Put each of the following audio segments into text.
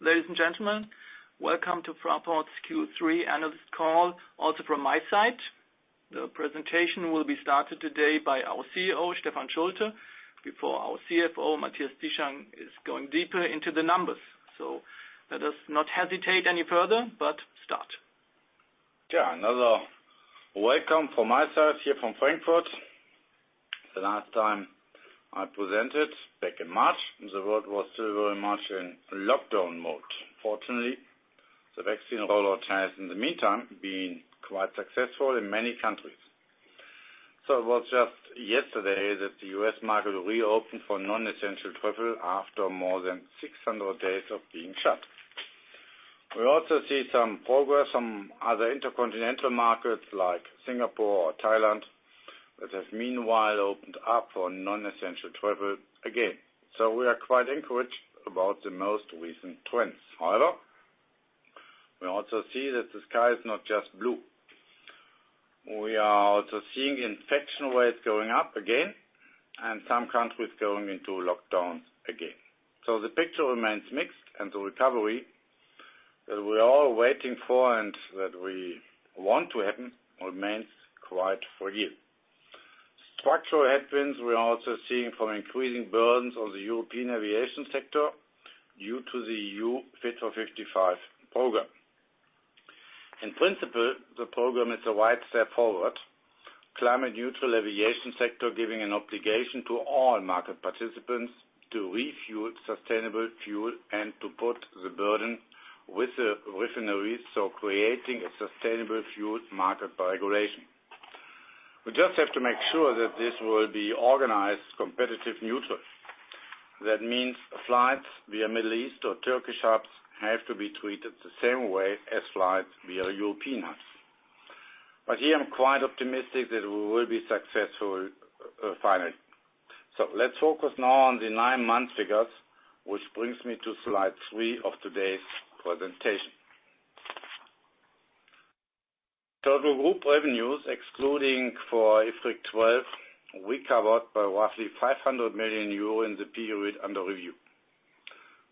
Ladies and gentlemen, welcome to Fraport's Q3 analyst call, also from my side. The presentation will be started today by our CEO, Stefan Schulte, before our CFO, Matthias Zieschang, is going deeper into the numbers. Let us not hesitate any further, but start. Yeah, another welcome from my side here from Frankfurt. The last time I presented back in March, the world was still very much in lockdown mode. Fortunately, the vaccine rollout has, in the meantime, been quite successful in many countries. It was just yesterday that the U.S. market reopened for non-essential travel after more than 600 days of being shut. We also see some progress on other intercontinental markets like Singapore or Thailand, which have meanwhile opened up for non-essential travel again. We are quite encouraged about the most recent trends. However, we also see that the sky is not just blue. We are also seeing infection rates going up again and some countries going into lockdown again. The picture remains mixed and the recovery that we're all waiting for and that we want to happen remains quite fragile. Structural headwinds we are also seeing from increasing burdens on the European aviation sector due to the EU Fit for 55 program. In principle, the program is a vital step forward. Climate neutral aviation sector giving an obligation to all market participants to refuel sustainable fuel and to put the burden with the refineries, so creating a sustainable fuel market by regulation. We just have to make sure that this will be organized competitively neutral. That means flights via Middle East or Turkish hubs have to be treated the same way as flights via European hubs. Here, I'm quite optimistic that we will be successful, finally. Let's focus now on the nine-month figures, which brings me to slide three of today's presentation. Total group revenues, excluding IFRIC 12, recovered by roughly 500 million euro in the period under review.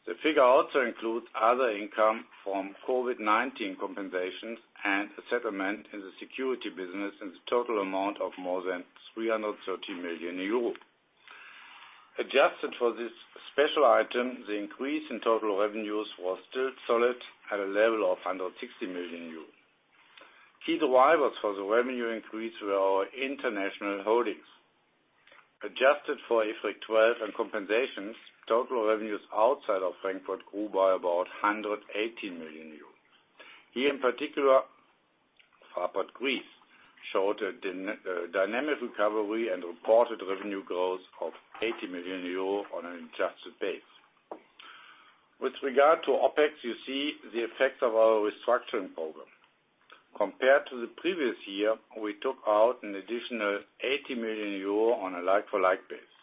The figure also includes other income from COVID-19 compensations and a settlement in the security business in the total amount of more than 330 million euro. Adjusted for this special item, the increase in total revenues was still solid at a level of 160 million euros. Key drivers for the revenue increase were our international holdings. Adjusted for IFRIC 12 and compensations, total revenues outside of Frankfurt grew by about 180 million euros. Here, in particular, Fraport Greece showed a dynamic recovery and reported revenue growth of 80 million euro on an adjusted basis. With regard to OpEx, you see the effects of our restructuring program. Compared to the previous year, we took out an additional 80 million euro on a like-for-like basis.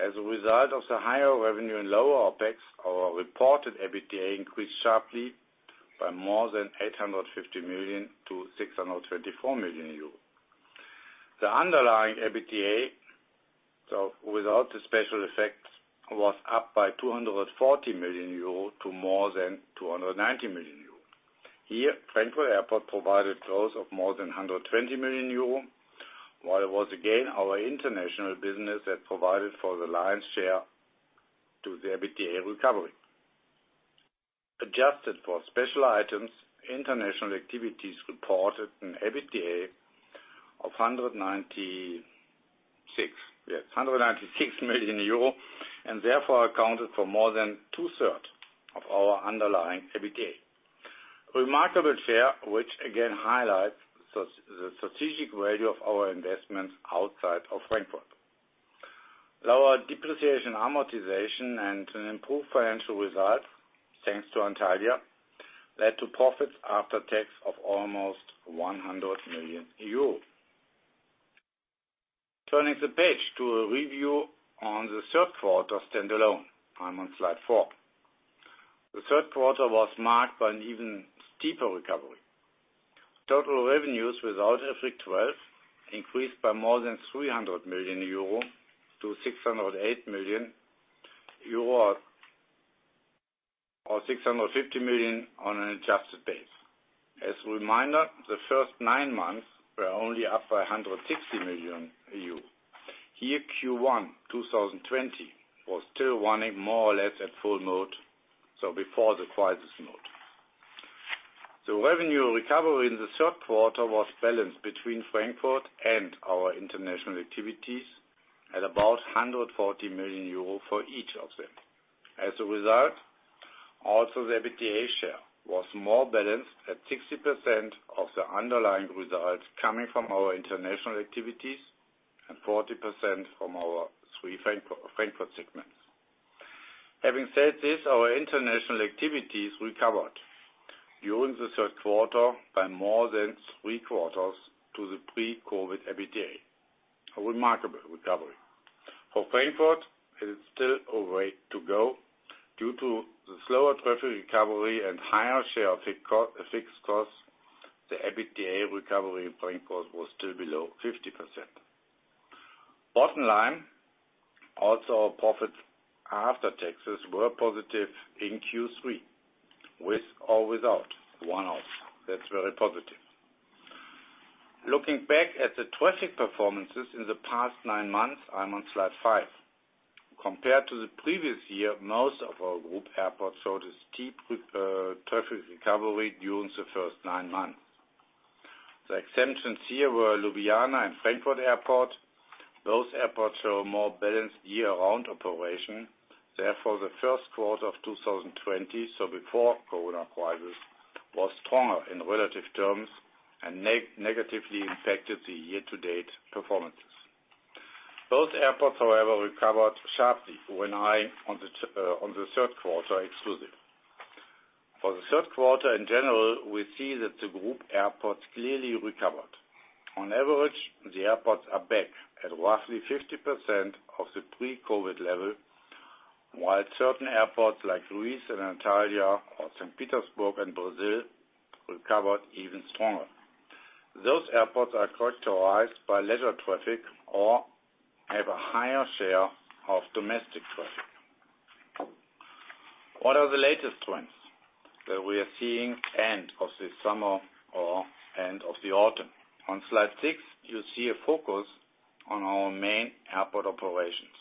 As a result of the higher revenue and lower OpEx, our reported EBITDA increased sharply by more than 850 million to 624 million euros. The underlying EBITDA, so without the special effects, was up by 240 million euro to more than 290 million euro. Here, Frankfurt Airport provided growth of more than 120 million euro, while it was again our international business that provided for the lion's share to the EBITDA recovery. Adjusted for special items, international activities reported an EBITDA of 196 million euro, and therefore accounted for more than two-thirds of our underlying EBITDA. Remarkable share, which again highlights the strategic value of our investments outside of Frankfurt. Lower depreciation and amortization and an improved financial result, thanks to Antalya, led to profits after tax of almost 100 million euro. Turning the page to a review on the third quarter standalone. I'm on slide four. The third quarter was marked by an even steeper recovery. Total revenues without IFRIC 12 increased by more than 300 million euro to 608 million euro, or 650 million on an adjusted basis. As a reminder, the first 9 months were only up by 160 million. Here, Q1 2020 was still running more or less at full mode, so before the crisis mode. The revenue recovery in the third quarter was balanced between Frankfurt and our international activities at about 140 million euro for each of them. As a result, also the EBITDA share was more balanced at 60% of the underlying results coming from our international activities and 40% from our three Frankfurt segments. Having said this, our international activities recovered during the third quarter by more than three-quarters to the pre-COVID EBITDA. A remarkable recovery. For Frankfurt, it is still a way to go due to the slower traffic recovery and higher share of fixed costs, the EBITDA recovery in Frankfurt was still below 50%. Bottom line, also our profits after taxes were positive in Q3 with or without one-offs. That's very positive. Looking back at the traffic performances in the past nine months, I'm on slide 5. Compared to the previous year, most of our group airports showed a steep traffic recovery during the first nine months. The exemptions here were Ljubljana and Frankfurt Airport. Those airports show a more balanced year-round operation. Therefore, the first quarter of 2020, so before COVID crisis, was stronger in relative terms and negatively impacted the year-to-date performances. Both airports, however, recovered sharply on the third quarter exclusively. For the third quarter, in general, we see that the group airports clearly recovered. On average, the airports are back at roughly 50% of the pre-COVID level, while certain airports like Greece and Antalya or Saint Petersburg and Brazil recovered even stronger. Those airports are characterized by leisure traffic or have a higher share of domestic traffic. What are the latest trends that we are seeing end of the summer or end of the autumn? On slide 6, you see a focus on our main airport operations.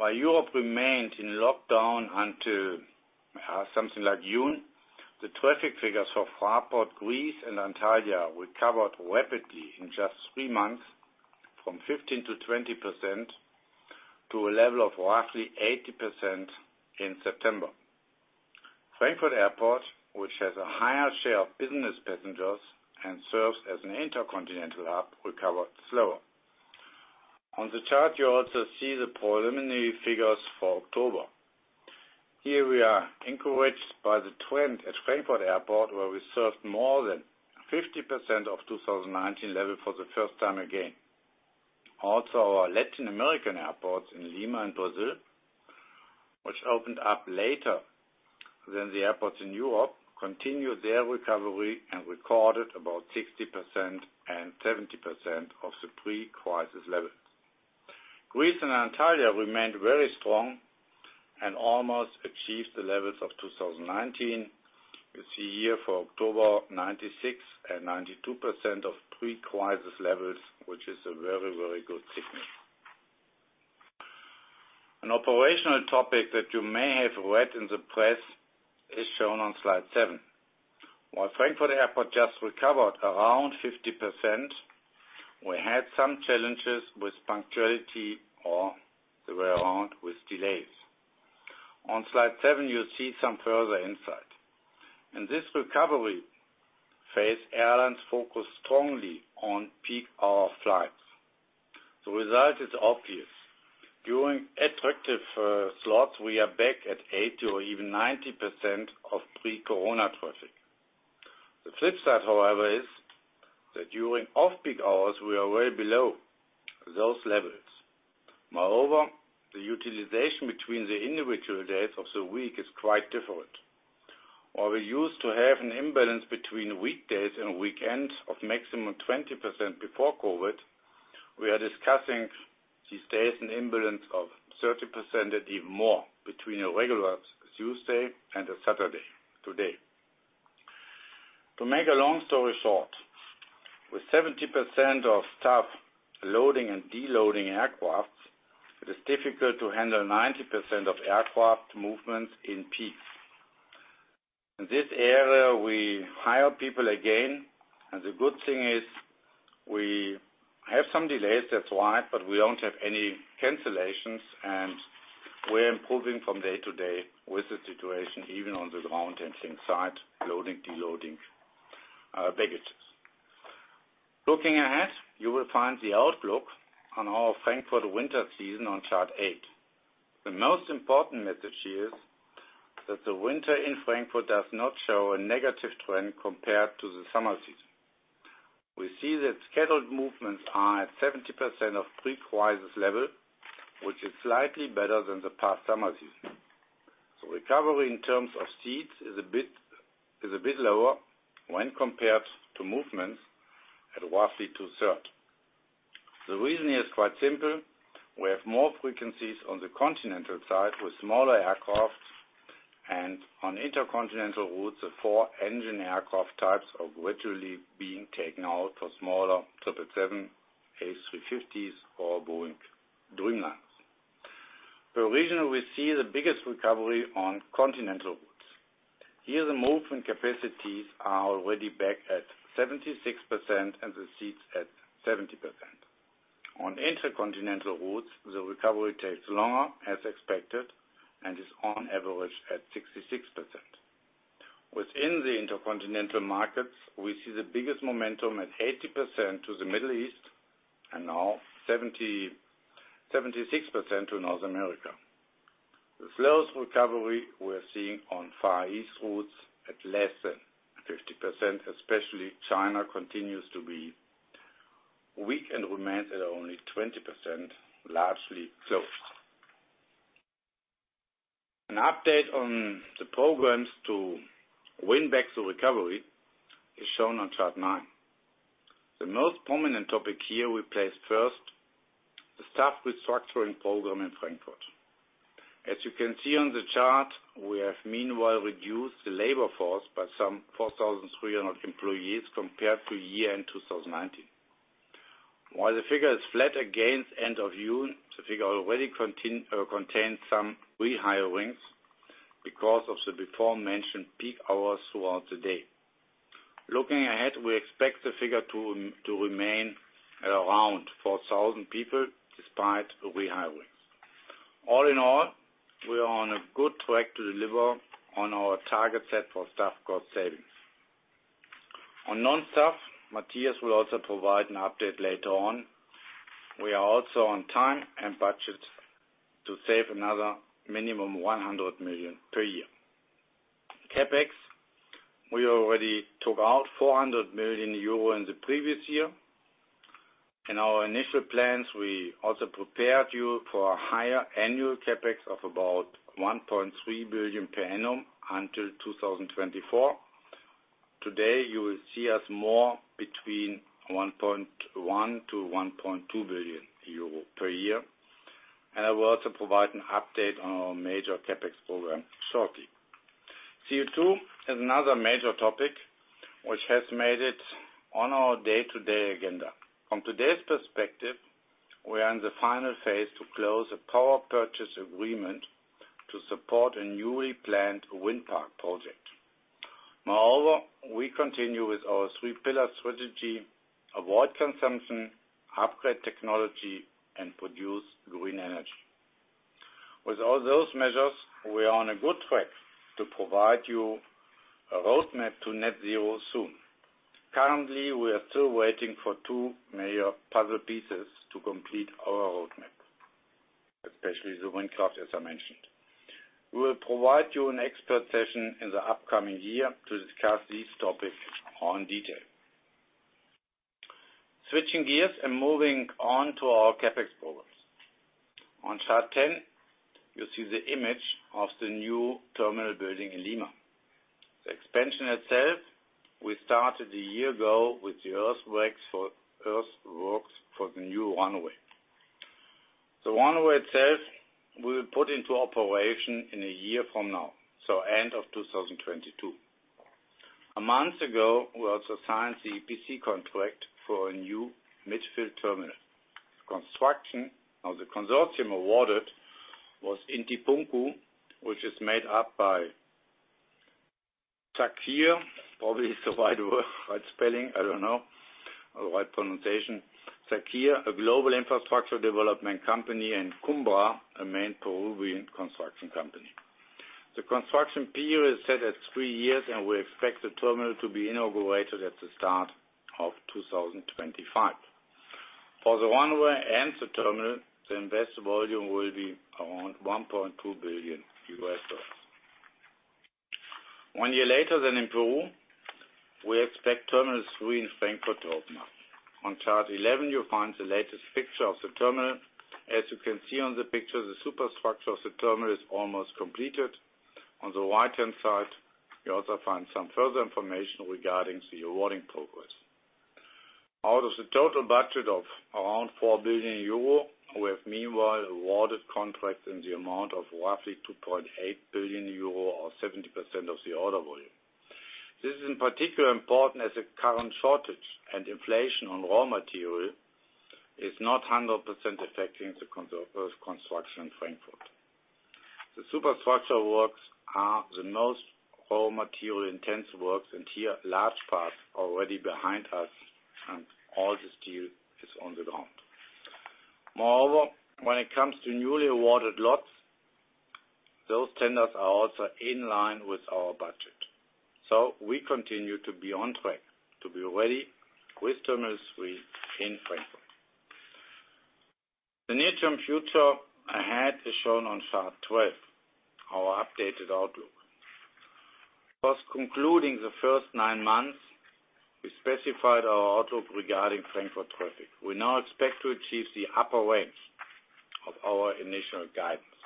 While Europe remained in lockdown until something like June, the traffic figures for Fraport Greece and Antalya recovered rapidly in just three months from 15%-20% to a level of roughly 80% in September. Frankfurt Airport, which has a higher share of business passengers and serves as an intercontinental hub, recovered slower. On the chart, you also see the preliminary figures for October. Here, we are encouraged by the trend at Frankfurt Airport, where we served more than 50% of 2019 level for the first time again. Also, our Latin American airports in Lima and Brazil, which opened up later than the airports in Europe, continued their recovery and recorded about 60% and 70% of the pre-crisis levels. Greece and Antalya remained very strong and almost achieved the levels of 2019. You see here for October, 96% and 92% of pre-crisis levels, which is a very, very good signal. An operational topic that you may have read in the press is shown on slide seven. While Frankfurt Airport just recovered around 50%, we had some challenges with punctuality or the other way around with delays. On slide seven, you'll see some further insight. In this recovery phase, airlines focus strongly on peak hour flights. The result is obvious. During attractive slots, we are back at 80% or even 90% of pre-corona traffic. The flip side, however, is that during off-peak hours, we are way below those levels. Moreover, the utilization between the individual days of the week is quite different. While we used to have an imbalance between weekdays and weekends of maximum 20% before COVID, we are discussing these days an imbalance of 30% and even more between a regular Tuesday and a Saturday today. To make a long story short, with 70% of staff loading and unloading aircraft, it is difficult to handle 90% of aircraft movements in peak. In this area, we hire people again, and the good thing is we have some delays, that's why, but we don't have any cancellations, and we're improving from day to day with the situation, even on the ground and inside, loading, deloading, baggage. Looking ahead, you will find the outlook on our Frankfurt winter season on chart 8. The most important message here is that the winter in Frankfurt does not show a negative trend compared to the summer season. We see that scheduled movements are at 70% of pre-crisis level, which is slightly better than the past summer season. Recovery in terms of seats is a bit lower when compared to movements at roughly two-thirds. The reason is quite simple. We have more frequencies on the continental side with smaller aircraft and on intercontinental routes, the four-engine aircraft types are gradually being taken out for smaller triple seven A350s or Boeing Dreamliners. The region we see the biggest recovery on continental routes. Here, the movement capacities are already back at 76% and the seats at 70%. On intercontinental routes, the recovery takes longer, as expected, and is on average at 66%. Within the intercontinental markets, we see the biggest momentum at 80% to the Middle East and now 76% to North America. The slowest recovery we're seeing on Far East routes at less than 50%, especially China, continues to be weak and remains at only 20%, largely closed. An update on the programs to win back to recovery is shown on chart 9. The most prominent topic here we placed first, the staff restructuring program in Frankfurt. As you can see on the chart, we have meanwhile reduced the labor force by some 4,300 employees compared to year-end 2019. While the figure is flat against end of June, the figure already contains some re-hirings because of the before mentioned peak hours throughout the day. Looking ahead, we expect the figure to remain at around 4,000 people despite the re-hirings. All in all, we are on a good track to deliver on our target set for staff cost savings. On non-staff, Matthias will also provide an update later on. We are also on time and budget to save another minimum 100 million per year. CapEx, we already took out 400 million euro in the previous year. In our initial plans, we also prepared you for a higher annual CapEx of about 1.3 billion per annum until 2024. Today, you will see us more between 1.1 billion-1.2 billion euro per year. I will also provide an update on our major CapEx program shortly. CO2 is another major topic which has made it on our day-to-day agenda. From today's perspective, we are in the final phase to close a power purchase agreement to support a newly planned wind park project. Moreover, we continue with our three pillar strategy, avoid consumption, upgrade technology, and produce green energy. With all those measures, we are on a good track to provide you a roadmap to net zero soon. Currently, we are still waiting for two major puzzle pieces to complete our roadmap, especially the wind park, as I mentioned. We will provide you an expert session in the upcoming year to discuss these topics in detail. Switching gears and moving on to our CapEx programs. On chart 10, you see the image of the new terminal building in Lima. The expansion itself, we started a year ago with the earthworks for the new runway. The runway itself will put into operation in a year from now, so end of 2022. A month ago, we also signed the EPC contract for a new midfield terminal. The awarded consortium was Inti Punku, which is made up of Sacyr, probably the right spelling, I don't know, or right pronunciation. Sacyr, a global infrastructure development company, and Cumbra, a main Peruvian construction company. The construction period is set at three years, and we expect the terminal to be inaugurated at the start of 2025. For the runway and the terminal, the investment volume will be around $1.2 billion. One year later than in Peru, we expect Terminal 3 in Frankfurt to open up. On chart 11, you'll find the latest picture of the terminal. As you can see on the picture, the superstructure of the terminal is almost completed. On the right-hand side, you also find some further information regarding the awarding progress. Out of the total budget of around 4 billion euro, we have meanwhile awarded contracts in the amount of roughly 2.8 billion euro or 70% of the order volume. This is in particular important as the current shortage and inflation on raw material is not 100% affecting the construction in Frankfurt. The superstructure works are the most raw material intensive works, and here, large parts are already behind us, and all the steel is on the ground. Moreover, when it comes to newly awarded lots, those tenders are also in line with our budget. We continue to be on track to be ready with Terminal 3 in Frankfurt. The near-term future ahead is shown on chart 12, our updated outlook. First concluding the first nine months, we specified our outlook regarding Frankfurt traffic. We now expect to achieve the upper range of our initial guidance,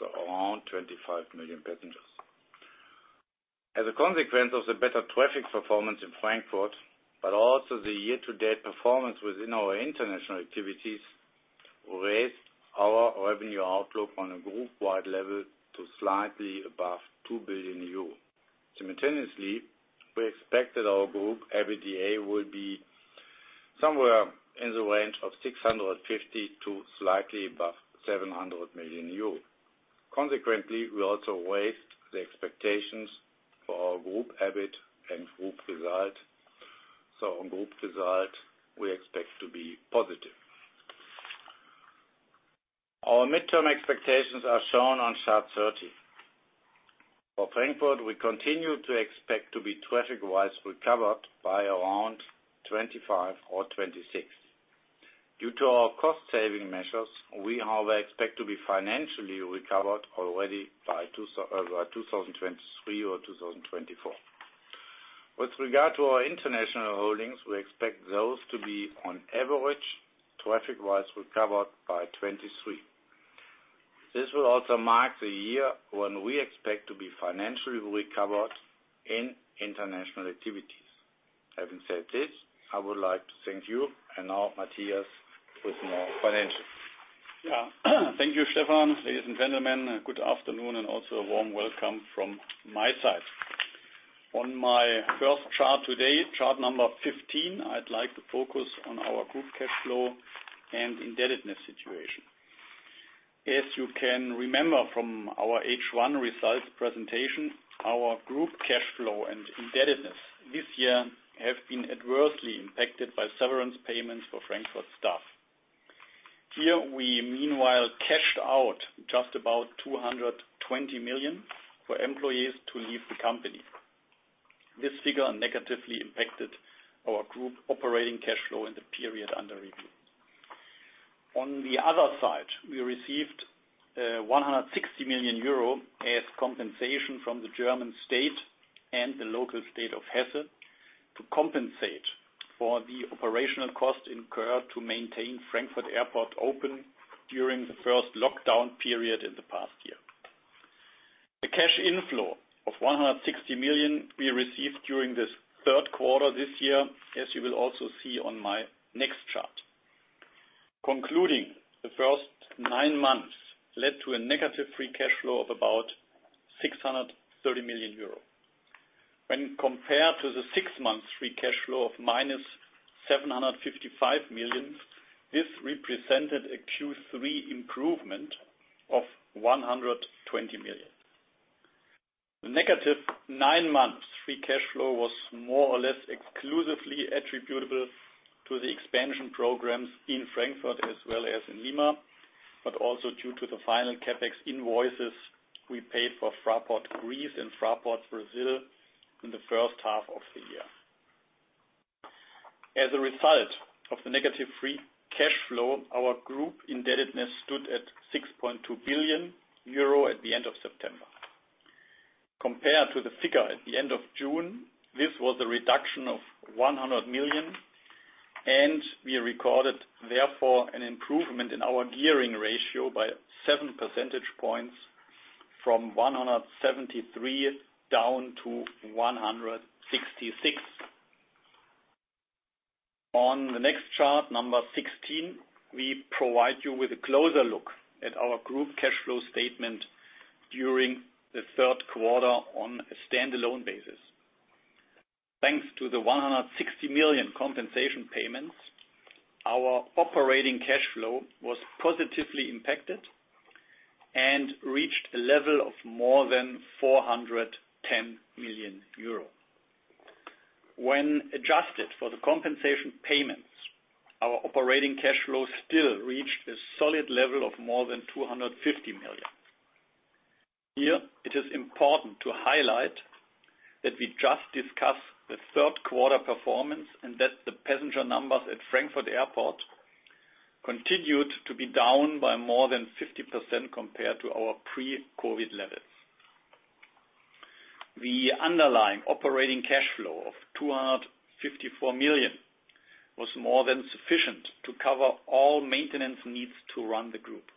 so around 25 million passengers. As a consequence of the better traffic performance in Frankfurt, but also the year-to-date performance within our international activities, we raised our revenue outlook on a group-wide level to slightly above 2 billion euro. Simultaneously, we expect that our group EBITDA will be somewhere in the range of 650 million to slightly above 700 million euros. Consequently, we also raised the expectations for our group EBIT and group result. On group result, we expect to be positive. Our midterm expectations are shown on chart 13. For Frankfurt, we continue to expect to be traffic-wise recovered by around 2025 or 2026. Due to our cost-saving measures, we, however, expect to be financially recovered already by 2023 or 2024. With regard to our international holdings, we expect those to be on average, traffic-wise recovered by 2023. This will also mark the year when we expect to be financially recovered in international activities. Having said this, I would like to thank you and now Matthias with more financials. Thank you, Stefan. Ladies and gentlemen, good afternoon and also a warm welcome from my side. On my first chart today, chart number 15, I'd like to focus on our group cash flow and indebtedness situation. As you can remember from our H1 results presentation, our group cash flow and indebtedness this year have been adversely impacted by severance payments for Frankfurt staff. Here, we meanwhile cashed out just about 220 million for employees to leave the company. This figure negatively impacted our group operating cash flow in the period under review. On the other side, we received one hundred sixty million euro as compensation from the German state and the local state of Hesse to compensate for the operational costs incurred to maintain Frankfurt Airport open during the first lockdown period in the past year. The cash inflow of 160 million we received during this third quarter this year, as you will also see on my next chart. Concluding the first nine months led to a negative free cash flow of about 630 million euro. When compared to the six months free cash flow of minus 755 million, this represented a Q3 improvement of 120 million. The negative nine months free cash flow was more or less exclusively attributable to the expansion programs in Frankfurt as well as in Lima, but also due to the final CapEx invoices we paid for Fraport Greece and Fraport Brasil in the first half of the year. As a result of the negative free cash flow, our group indebtedness stood at 6.2 billion euro at the end of September. Compared to the figure at the end of June, this was a reduction of 100 million, and we recorded therefore an improvement in our gearing ratio by 7 percentage points from 173 down to 166. On the next chart 16, we provide you with a closer look at our group cash flow statement during the third quarter on a stand-alone basis. Thanks to the 160 million compensation payments, our operating cash flow was positively impacted and reached a level of more than 410 million euro. When adjusted for the compensation payments, our operating cash flow still reached a solid level of more than 250 million. It is important to highlight that we just discussed the third quarter performance and that the passenger numbers at Frankfurt Airport continued to be down by more than 50% compared to our pre-COVID levels. The underlying operating cash flow of 254 million was more than sufficient to cover all maintenance needs to run the group.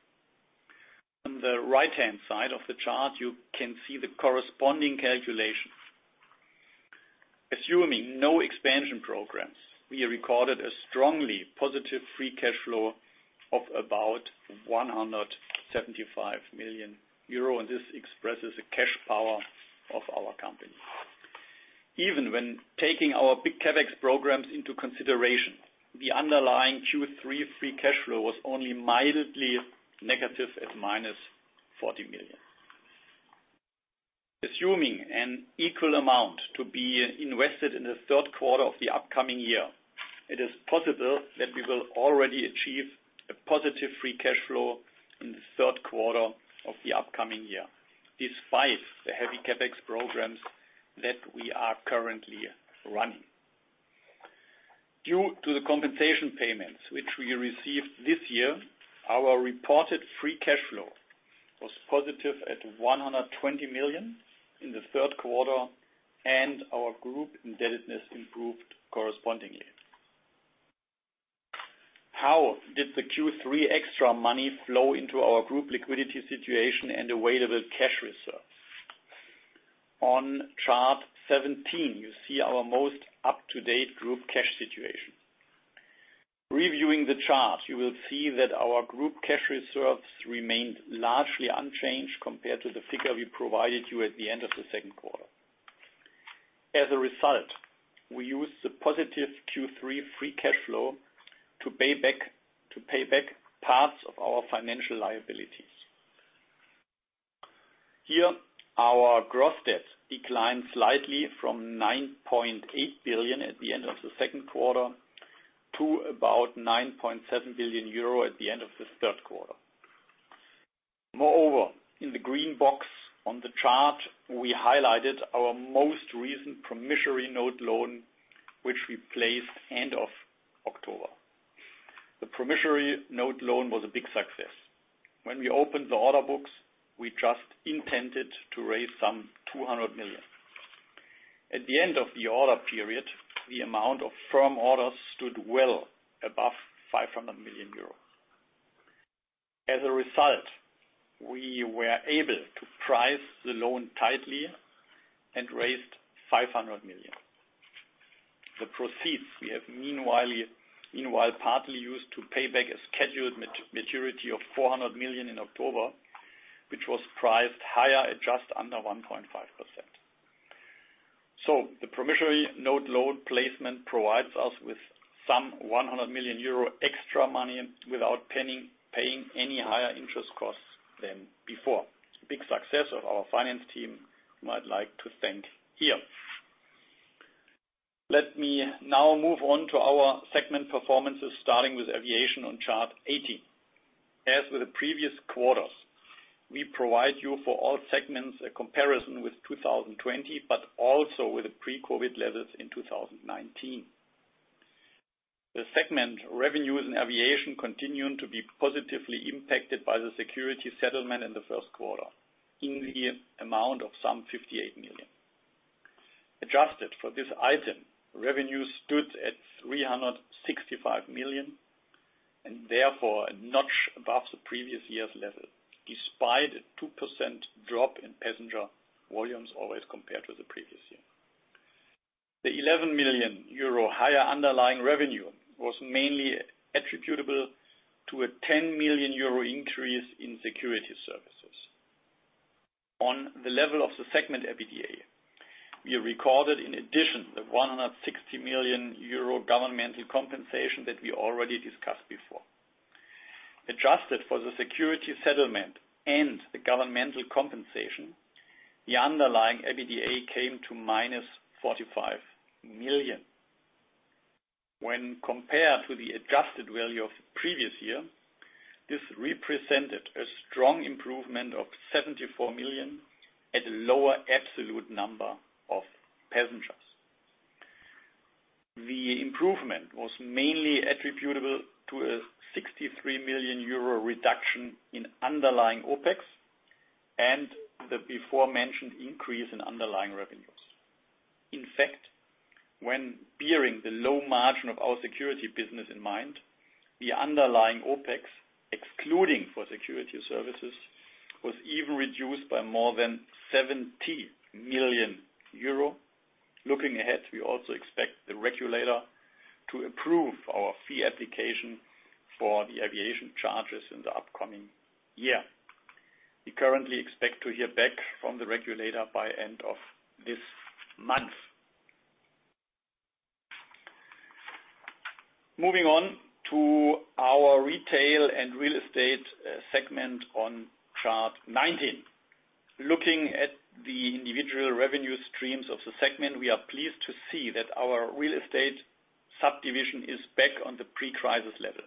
On the right-hand side of the chart, you can see the corresponding calculations. Assuming no expansion programs, we recorded a strongly positive free cash flow of about 175 million euro, and this expresses the cash power of our company. Even when taking our big CapEx programs into consideration, the underlying Q3 free cash flow was only mildly negative at -40 million. Assuming an equal amount to be invested in the third quarter of the upcoming year, it is possible that we will already achieve a positive free cash flow in the third quarter of the upcoming year, despite the heavy CapEx programs that we are currently running. Due to the compensation payments, which we received this year, our reported free cash flow was positive at 120 million in the third quarter, and our group indebtedness improved correspondingly. How did the Q3 extra money flow into our group liquidity situation and available cash reserves? On chart 17, you see our most up-to-date group cash situation. Reviewing the chart, you will see that our group cash reserves remained largely unchanged compared to the figure we provided you at the end of the second quarter. As a result, we used the positive Q3 free cash flow to pay back parts of our financial liabilities. Here, our gross debt declined slightly from 9.8 billion at the end of the second quarter to about 9.7 billion euro at the end of the third quarter. Moreover, in the green box on the chart, we highlighted our most recent promissory note loan. The promissory note loan was a big success. When we opened the order books, we just intended to raise some 200 million. At the end of the order period, the amount of firm orders stood well above 500 million euros. As a result, we were able to price the loan tightly and raised 500 million. The proceeds we have meanwhile partly used to pay back a scheduled maturity of 400 million in October, which was priced higher at just under 1.5%. The promissory note loan placement provides us with some 100 million euro extra money without paying any higher interest costs than before. Big success of our finance team might like to thank here. Let me now move on to our segment performances, starting with aviation on chart 18. As with the previous quarters, we provide you for all segments a comparison with 2020, but also with the pre-COVID levels in 2019. The segment revenues in aviation continuing to be positively impacted by the security settlement in the first quarter in the amount of some 58 million. Adjusted for this item, revenue stood at 365 million and therefore a notch above the previous year's level, despite a 2% drop in passenger volumes always compared to the previous year. The 11 million euro higher underlying revenue was mainly attributable to a 10 million euro increase in security services. On the level of the segment EBITDA, we recorded in addition the 160 million euro governmental compensation that we already discussed before. Adjusted for the security settlement and the governmental compensation, the underlying EBITDA came to -45 million. When compared to the adjusted value of the previous year, this represented a strong improvement of 74 million at a lower absolute number of passengers. The improvement was mainly attributable to a 63 million euro reduction in underlying OpEx and the before-mentioned increase in underlying revenues. In fact, when bearing the low margin of our security business in mind, the underlying OpEx, excluding for security services, was even reduced by more than 70 million euro. Looking ahead, we also expect the regulator to approve our fee application for the aviation charges in the upcoming year. We currently expect to hear back from the regulator by end of this month. Moving on to our Retail and Real Estate segment on Chart 19. Looking at the individual revenue streams of the segment, we are pleased to see that our real estate subdivision is back on the pre-crisis level.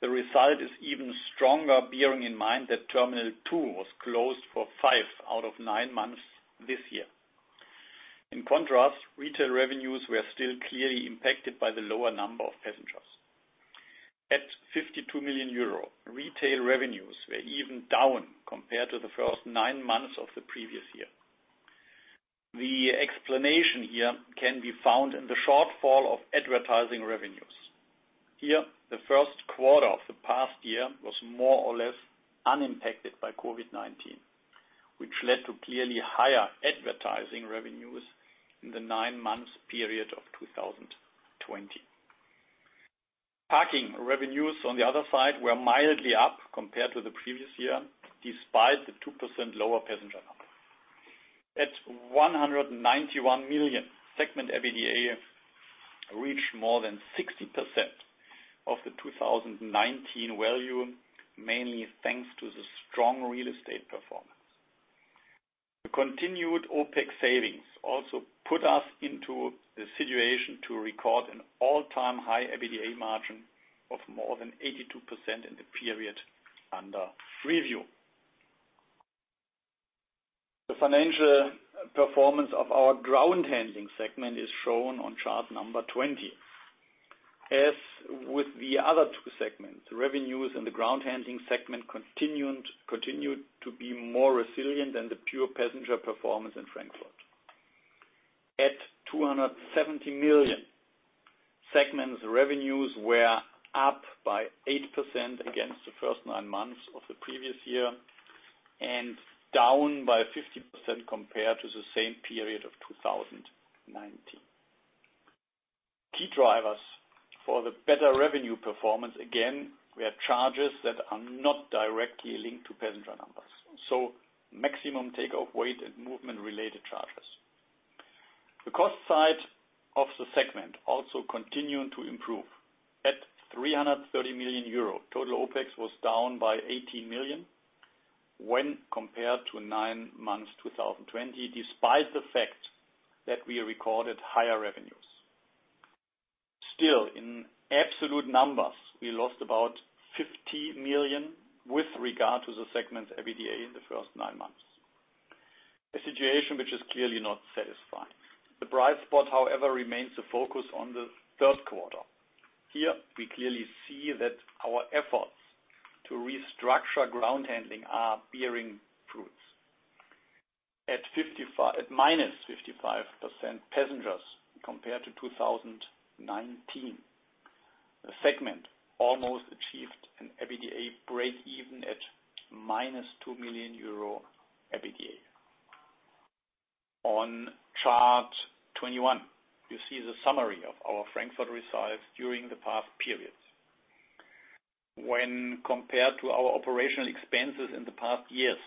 The result is even stronger, bearing in mind that Terminal 2 was closed for 5 out of 9 months this year. In contrast, retail revenues were still clearly impacted by the lower number of passengers. At 52 million euro, retail revenues were even down compared to the first nine months of the previous year. The explanation here can be found in the shortfall of advertising revenues. Here, the first quarter of the past year was more or less unimpacted by COVID-19, which led to clearly higher advertising revenues in the nine-month period of 2020. Parking revenues, on the other side, were mildly up compared to the previous year, despite the 2% lower passenger numbers. At 191 million, segment EBITDA reached more than 60% of the 2019 value, mainly thanks to the strong real estate performance. The continued OpEx savings also put us into the situation to record an all-time high EBITDA margin of more than 82% in the period under review. The financial performance of our ground handling segment is shown on chart 20. As with the other two segments, revenues in the ground handling segment continued to be more resilient than the pure passenger performance in Frankfurt. At 270 million, segment's revenues were up by 8% against the first nine months of the previous year and down by 50% compared to the same period of 2019. Key drivers for the better revenue performance, again, were charges that are not directly linked to passenger numbers, so maximum take-off weight and movement-related charges. The cost side of the segment also continued to improve. At 330 million euro, total OpEx was down by 18 million when compared to nine months 2020, despite the fact that we recorded higher revenues. Still, in absolute numbers, we lost about 50 million with regard to the segment's EBITDA in the first nine months. A situation which is clearly not satisfying. The bright spot, however, remains the focus on the third quarter. Here, we clearly see that our efforts to restructure ground handling are bearing fruits. At -55% passengers compared to 2019, the segment almost achieved an EBITDA break-even at -2 million euro EBITDA. On chart 21, you see the summary of our Frankfurt results during the past periods. When compared to our operational expenses in the past years,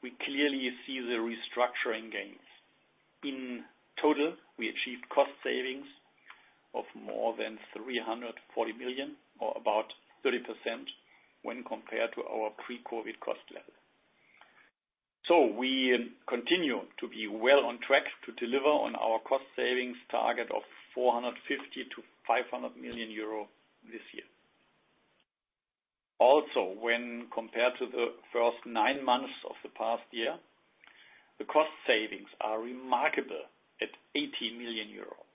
we clearly see the restructuring gains. In total, we achieved cost savings of more than 340 million or about 30% when compared to our pre-COVID cost level. We continue to be well on track to deliver on our cost savings target of 450 million-500 million euro this year. Also, when compared to the first nine months of the past year, the cost savings are remarkable at 80 million euros.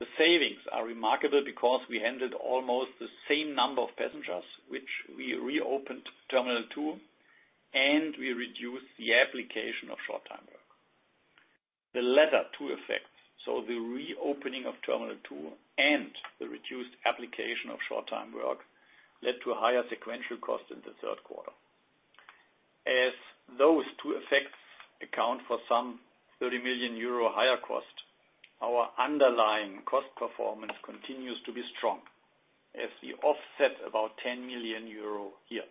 The savings are remarkable because we handled almost the same number of passengers, which we reopened Terminal 2, and we reduced the application of short-time work. The latter two effects, so the reopening of Terminal 2 and the reduced application of short-time work, led to a higher sequential cost in the third quarter. As those two effects account for some 30 million euro higher cost, our underlying cost performance continues to be strong as we offset about 10 million euro here.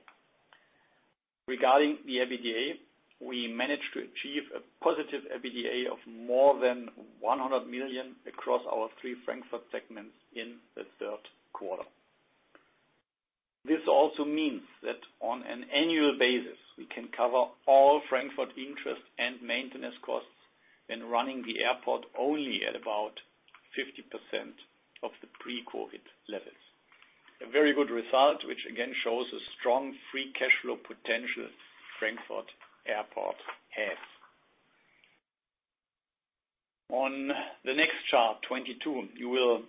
Regarding the EBITDA, we managed to achieve a positive EBITDA of more than 100 million across our three Frankfurt segments in the third quarter. This also means that on an annual basis, we can cover all Frankfurt interest and maintenance costs in running the airport only at about 50% of the pre-COVID levels. A very good result, which again shows a strong free cash flow potential Frankfurt Airport has. On the next chart, 22, you will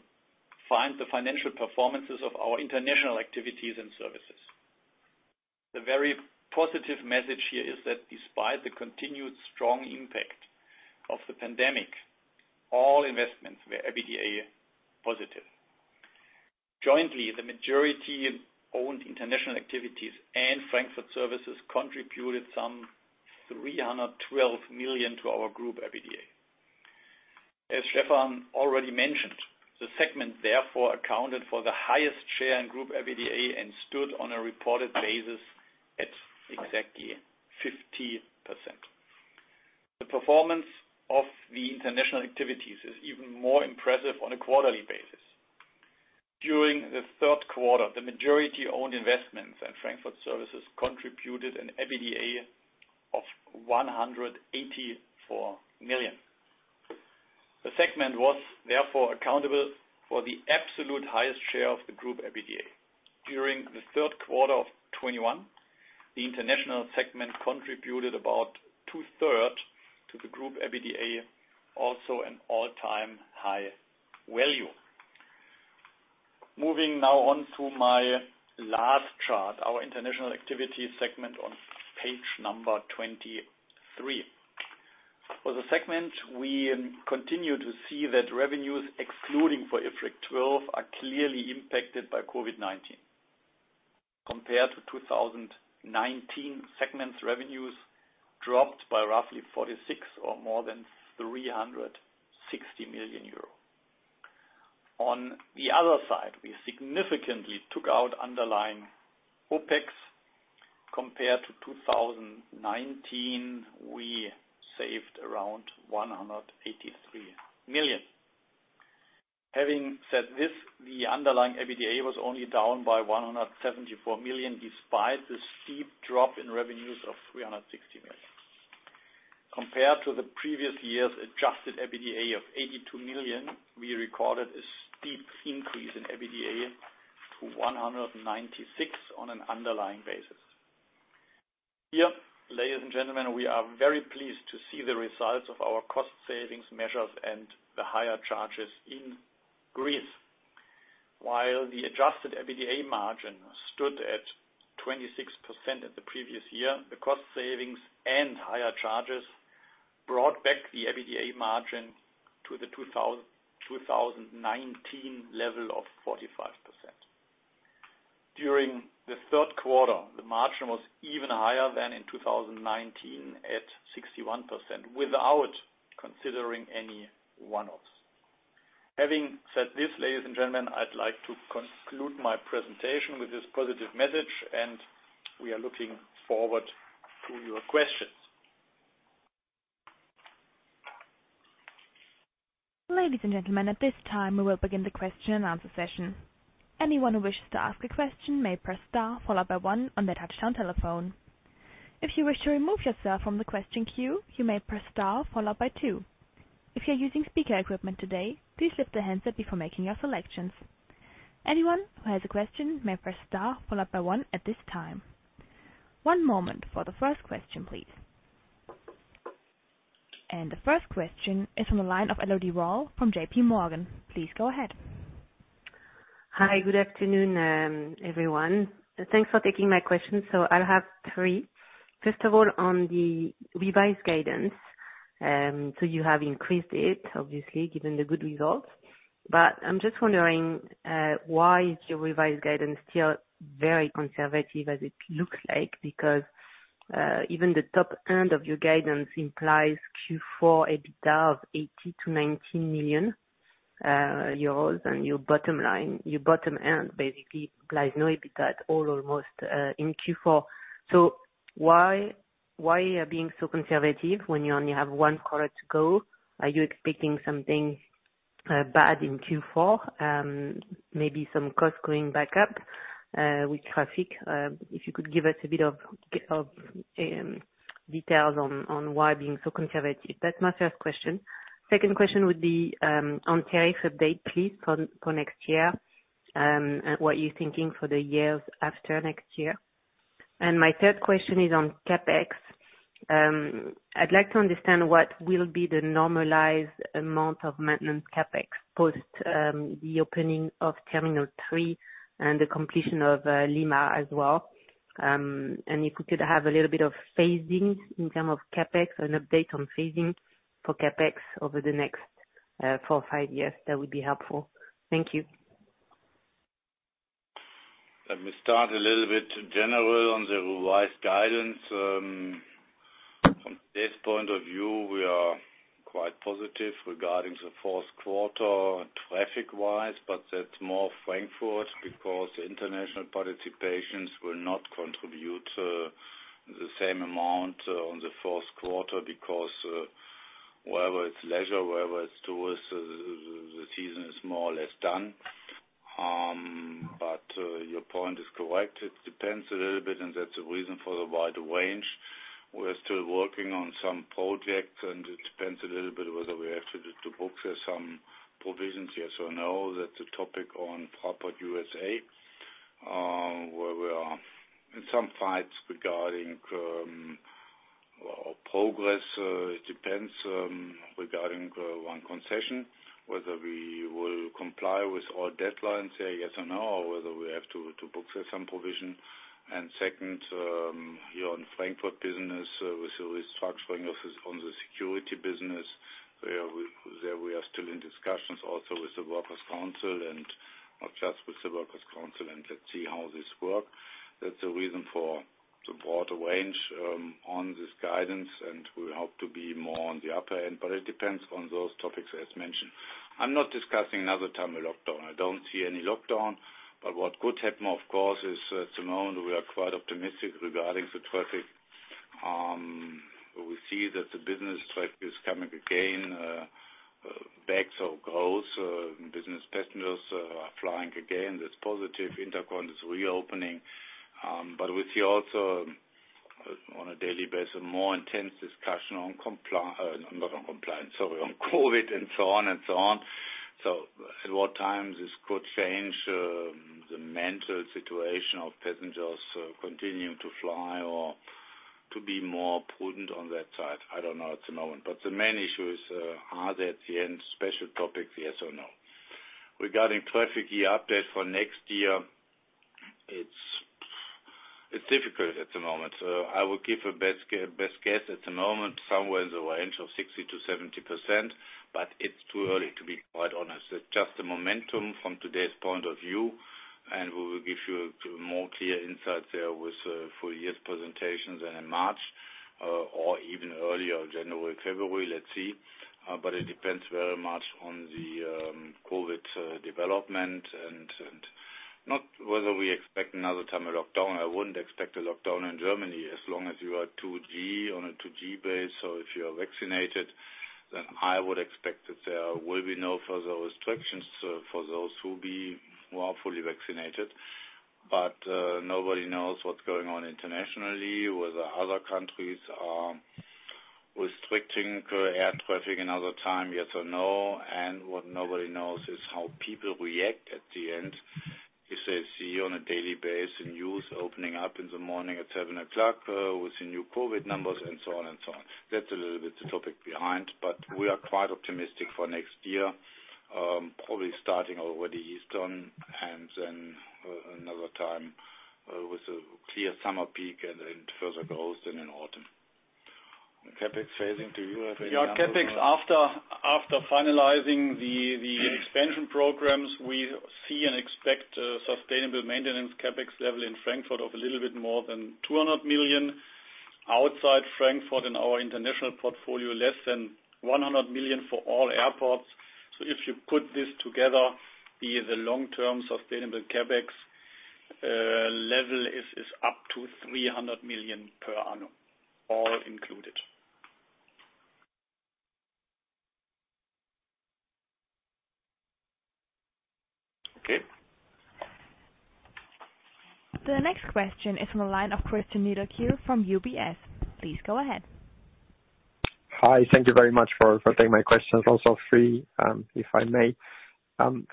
find the financial performances of our international activities and services. The very positive message here is that despite the continued strong impact of the pandemic, all investments were EBITDA positive. Jointly, the majority-owned international activities and Frankfurt services contributed some 312 million to our group EBITDA. As Stefan already mentioned, the segment therefore accounted for the highest share in group EBITDA and stood on a reported basis at exactly 50%. The performance of the international activities is even more impressive on a quarterly basis. During the third quarter, the majority-owned investments and Frankfurt services contributed an EBITDA of 184 million. The segment was therefore accountable for the absolute highest share of the group EBITDA. During the third quarter of 2021, the international segment contributed about two-thirds to the group EBITDA, also an all-time high value. Moving now on to my last chart, our international activity segment on page 23. For the segment, we continue to see that revenues excluding IFRIC 12 are clearly impacted by COVID-19. Compared to 2019, segment's revenues dropped by roughly 46% or more than 360 million euro. On the other side, we significantly took out underlying OpEx. Compared to 2019, we saved around 183 million. Having said this, the underlying EBITDA was only down by 174 million, despite the steep drop in revenues of 360 million. Compared to the previous year's adjusted EBITDA of 82 million, we recorded a steep increase in EBITDA to 196 on an underlying basis. Here, ladies and gentlemen, we are very pleased to see the results of our cost savings measures and the higher charges in Greece. While the adjusted EBITDA margin stood at 26% in the previous year, the cost savings and higher charges brought back the EBITDA margin to the 2019 level of 45%. During the third quarter, the margin was even higher than in 2019 at 61% without considering any one-offs. Having said this, ladies and gentlemen, I'd like to conclude my presentation with this positive message, and we are looking forward to your questions. Ladies and gentlemen, at this time, we will begin the question and answer session. Anyone who wishes to ask a question may press star followed by one on their touch-tone telephone. If you wish to remove yourself from the question queue, you may press star followed by two. If you're using speaker equipment today, please lift the handset before making your selections. Anyone who has a question may press star followed by one at this time. One moment for the first question, please. The first question is from the line of Elodie Rall from J.P. Morgan. Please go ahead. Hi, good afternoon, everyone. Thanks for taking my question. I'll have three. First of all, on the revised guidance. You have increased it, obviously, given the good results. But I'm just wondering, why is your revised guidance still very conservative as it looks like? Because, even the top end of your guidance implies Q4 EBITDA of 80-90 million euros, and your bottom line, your bottom end basically implies no EBITDA at all almost, in Q4. Why are you being so conservative when you only have one quarter to go? Are you expecting something bad in Q4? Maybe some costs going back up with traffic. If you could give us a bit of details on why being so conservative. That's my first question. Second question would be on tariff update, please, for next year, and what you're thinking for the years after next year. My third question is on CapEx. I'd like to understand what will be the normalized amount of maintenance CapEx post the opening of Terminal 3 and the completion of Lima as well. If we could have a little bit of phasing in terms of CapEx, an update on phasing for CapEx over the next 4-5 years, that would be helpful. Thank you. Let me start a little bit general on the revised guidance. From this point of view, we are quite positive regarding the fourth quarter traffic-wise, but that's more Frankfurt because the international participations will not contribute the same amount on the fourth quarter because whether it's leisure, whether it's tourists, the season is more or less done. Your point is correct. It depends a little bit, and that's the reason for the wider range. We're still working on some projects, and it depends a little bit whether we have to book some provisions, yes or no. That's a topic on Fraport USA, where we are in some fights regarding progress. It depends regarding one concession, whether we will comply with all deadlines, say yes or no, or whether we have to book some provision. Second, here on Frankfurt business with the restructuring of, on the security business, there we are still in discussions also with the workers' council and not just with the workers' council, and let's see how this work. That's the reason for the broader range on this guidance, and we hope to be more on the upper end, but it depends on those topics as mentioned. I'm not discussing another time of lockdown. I don't see any lockdown. What could happen, of course, is at the moment we are quite optimistic regarding the traffic. We see that the business traffic is coming again, back. Growth, business passengers are flying again. That's positive. Intercontinental is reopening. We see also on a daily basis more intense discussion on COVID and so on and so on. At what time this could change the mental situation of passengers continuing to fly or to be more prudent on that side, I don't know at the moment. The main issues are that the end special topics, yes or no. Regarding traffic year update for next year, it's difficult at the moment. I will give a best guess at the moment, somewhere in the range of 60%-70%, but it's too early to be quite honest. Just the momentum from today's point of view, and we will give you more clear insight there with full year's presentations in March or even earlier, January, February. Let's see. It depends very much on the COVID development and not whether we expect another time of lockdown. I wouldn't expect a lockdown in Germany as long as you are 2G, on a 2G base, so if you are vaccinated, then I would expect that there will be no further restrictions for those who are fully vaccinated. Nobody knows what's going on internationally, whether other countries are restricting air traffic another time, yes or no. What nobody knows is how people react at the end. You see on a daily basis news opening up in the morning at 7:00 A.M. with the new COVID numbers and so on. That's a little bit the topic behind, but we are quite optimistic for next year, probably starting already Easter and then another time, with a clear summer peak and then further growth in autumn. The CapEx phasing to you, Matthias Zieschang. CapEx after finalizing the expansion programs, we see and expect a sustainable maintenance CapEx level in Frankfurt of a little bit more than 200 million. Outside Frankfurt in our international portfolio, less than 100 million for all airports. If you put this together, the long-term sustainable CapEx level is up to 300 million per annum, all included. Okay. The next question is from the line of Cristian Nedelcu from UBS. Please go ahead. Hi, thank you very much for taking my questions. Also, three, if I may.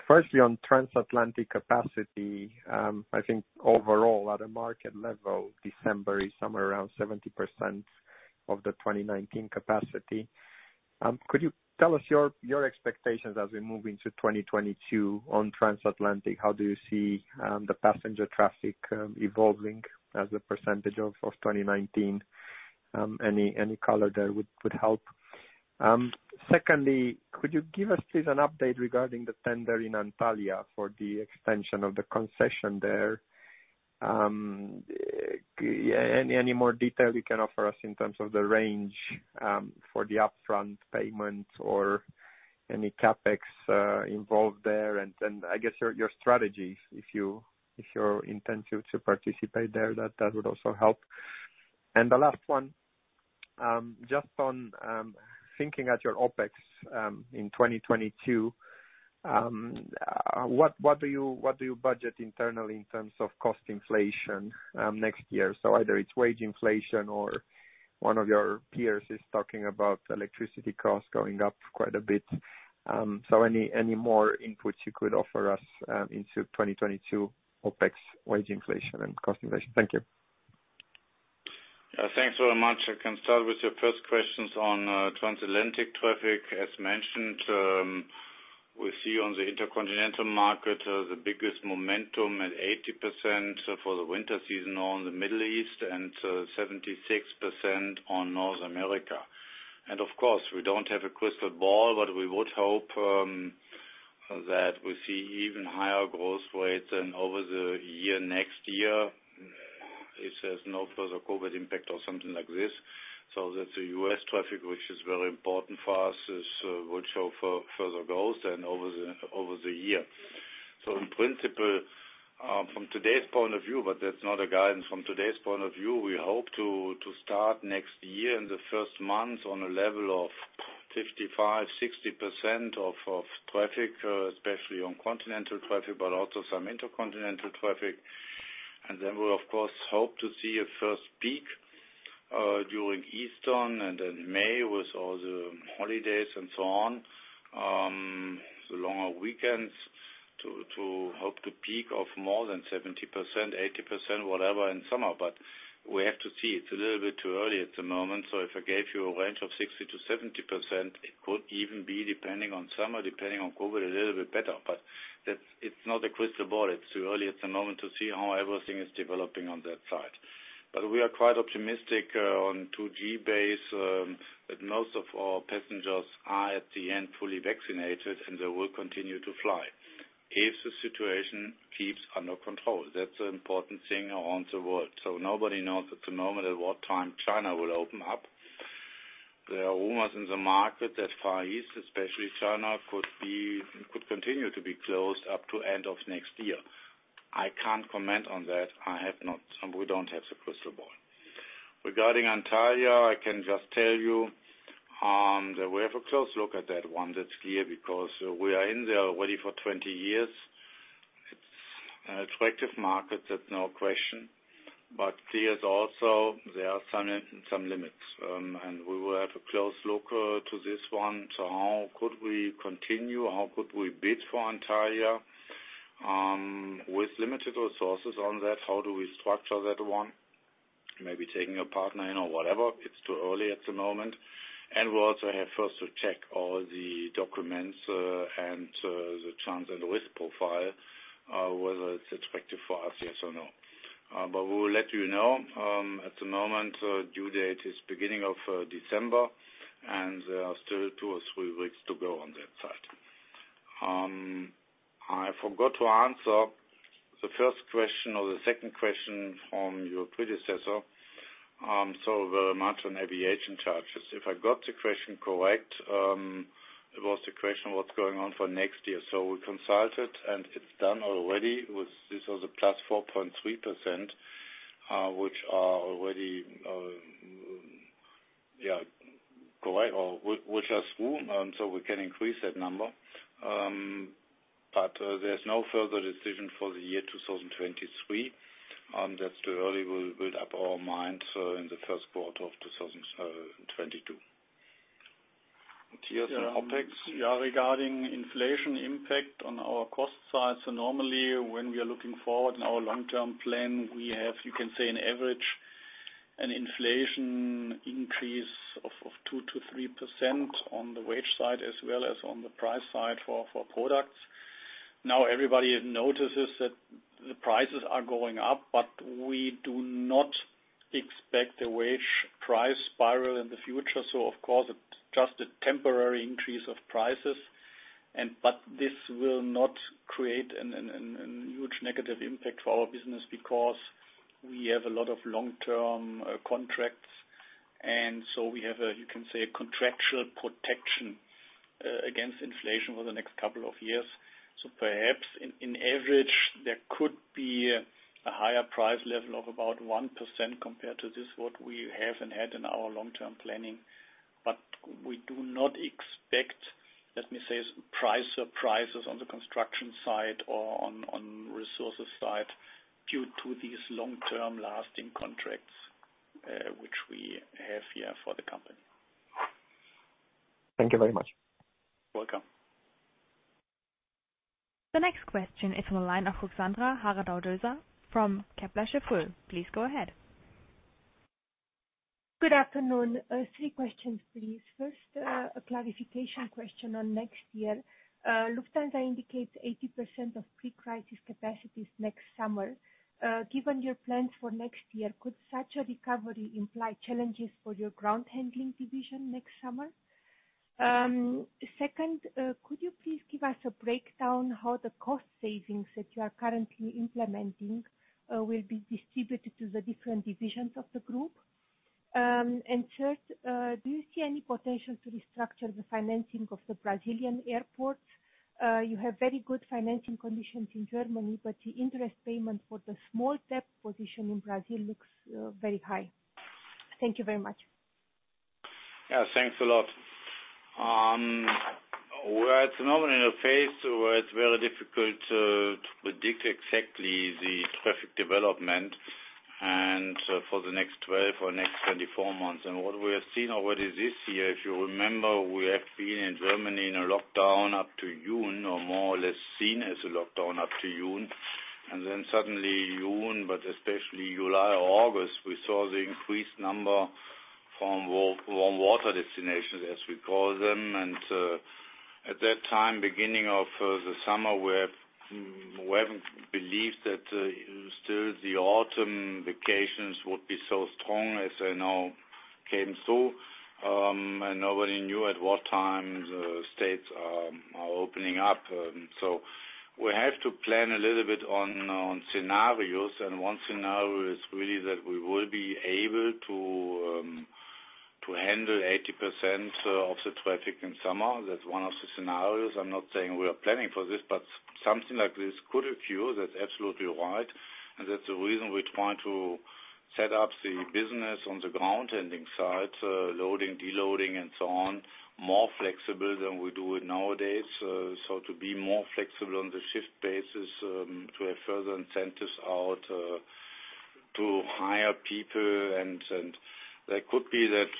Firstly, on transatlantic capacity, I think overall at a market level, December is somewhere around 70% of the 2019 capacity. Could you tell us your expectations as we move into 2022 on transatlantic? How do you see the passenger traffic evolving as a percentage of 2019? Any color there would help. Secondly, could you give us please an update regarding the tender in Antalya for the extension of the concession there? Any more detail you can offer us in terms of the range for the upfront payment or any CapEx involved there? Then I guess your strategy, if your intent is to participate there, that would also help. The last one, just on thinking about your OpEx in 2022, what do you budget internally in terms of cost inflation next year? Either it's wage inflation or one of your peers is talking about electricity costs going up quite a bit. Any more inputs you could offer us into 2022 OpEx wage inflation and cost inflation? Thank you. Thanks very much. I can start with your first questions on transatlantic traffic. As mentioned, we see on the intercontinental market the biggest momentum at 80% for the winter season on the Middle East and 76% on North America. Of course, we don't have a crystal ball, but we would hope that we see even higher growth rates and over the year next year if there's no further COVID impact or something like this, so that the U.S. traffic, which is very important for us, would show further growth over the year. In principle, from today's point of view, but that's not a guidance from today's point of view, we hope to start next year in the first month on a level of 55%-60% of traffic, especially on continental traffic, but also some intercontinental traffic. Then we'll of course hope to see a first peak during Easter and in May with all the holidays and so on, the longer weekends to hope to peak of more than 70%, 80%, whatever in summer. We have to see. It's a little bit too early at the moment, so if I gave you a range of 60%-70%, it could even be depending on summer, depending on COVID, a little bit better. That's it. It's not a crystal ball. It's too early at the moment to see how everything is developing on that side. We are quite optimistic on 2G base that most of our passengers are at the end fully vaccinated, and they will continue to fly if the situation keeps under control. That's the important thing around the world. Nobody knows at the moment at what time China will open up. There are rumors in the market that Far East, especially China, could be, could continue to be closed up to end of next year. I can't comment on that. I have not, and we don't have the crystal ball. Regarding Antalya, I can just tell you that we have a close look at that one that's here because we are in there already for 20 years. It's an attractive market, that's no question. There's also, there are some limits, and we will have a close look to this one to how could we continue, how could we bid for Antalya, with limited resources on that, how do we structure that one? Maybe taking a partner in or whatever. It's too early at the moment. We also have first to check all the documents, and the chance and risk profile, whether it's attractive for us, yes or no. But we will let you know. At the moment, due date is beginning of December, and there are still two or three weeks to go on that side. I forgot to answer the first question or the second question from your predecessor, so the amount on aviation charges. If I got the question correct, it was the question what's going on for next year. We consulted, and it's done already. This was +4.3%, which are already smooth, so we can increase that number. There's no further decision for the year 2023, that's too early. We'll make up our minds in the first quarter of 2022. Matthias on OpEx. Yeah. Regarding inflation impact on our cost side, normally when we are looking forward in our long-term plan, we have, you can say, an average inflation increase of 2%-3% on the wage side as well as on the price side for products. Now, everybody notices that the prices are going up, but we do not expect a wage price spiral in the future. Of course, it's just a temporary increase of prices and but this will not create a huge negative impact for our business because we have a lot of long-term contracts. We have a, you can say, a contractual protection against inflation over the next couple of years. Perhaps in average, there could be a higher price level of about 1% compared to what we have and had in our long-term planning. We do not expect. Let me say price surprises on the construction side or on resources side due to these long-term lasting contracts, which we have here for the company. Thank you very much. Welcome. The next question is on the line of Ruxandra Haradau-Doser from Kepler Cheuvreux. Please go ahead. Good afternoon. Three questions, please. First, a clarification question on next year. Lufthansa indicates 80% of pre-crisis capacities next summer. Given your plans for next year, could such a recovery imply challenges for your ground handling division next summer? Second, could you please give us a breakdown how the cost savings that you are currently implementing will be distributed to the different divisions of the group? And third, do you see any potential to restructure the financing of the Brazilian airports? You have very good financing conditions in Germany, but the interest payment for the small debt position in Brazil looks very high. Thank you very much. Yeah, thanks a lot. We're at the moment in a phase where it's very difficult to predict exactly the traffic development and for the next 12 or next 24 months. What we have seen already this year, if you remember, we have been in Germany in a lockdown up to June, or more or less seen as a lockdown up to June. Then suddenly June, but especially July or August, we saw the increased number from warm water destinations, as we call them. At that time, beginning of the summer, we haven't believed that still the autumn vacations would be so strong as they now came through. Nobody knew at what time the states are opening up. We have to plan a little bit on scenarios. One scenario is really that we will be able to handle 80% of the traffic in summer. That's one of the scenarios. I'm not saying we are planning for this, but something like this could occur. That's absolutely right. That's the reason we're trying to set up the business on the ground handling side, loading, deloading, and so on, more flexible than we do it nowadays. So to be more flexible on the shift basis, to have further incentives out to hire people. That could be that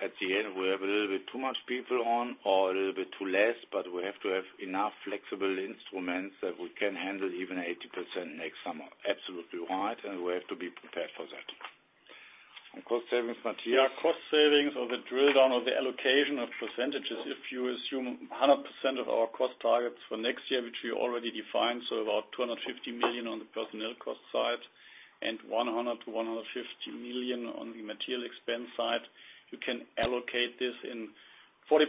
at the end, we have a little bit too much people on or a little bit too less, but we have to have enough flexible instruments that we can handle even 80% next summer. Absolutely right. We have to be prepared for that. On cost savings material, cost savings or the drill down of the allocation of percentages, if you assume 100% of our cost targets for next year, which we already defined, about 250 million on the personnel cost side and 100 million-150 million on the material expense side. You can allocate this in 40%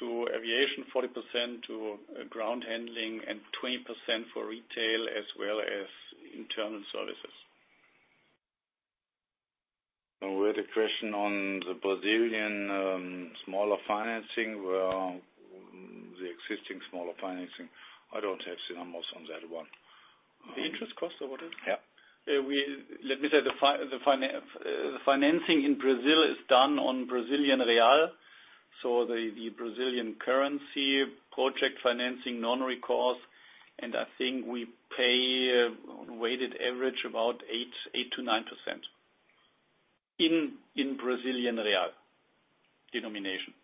to aviation, 40% to ground handling, and 20% for retail as well as internal services. With the question on the Brazilian smaller financing, well, the existing smaller financing, I don't have the numbers on that one. The interest cost or what is it? Yeah. Let me say the financing in Brazil is done on Brazilian real. The Brazilian currency project financing non-recourse, and I think we pay a weighted average about 8%-9% in Brazilian real denomination.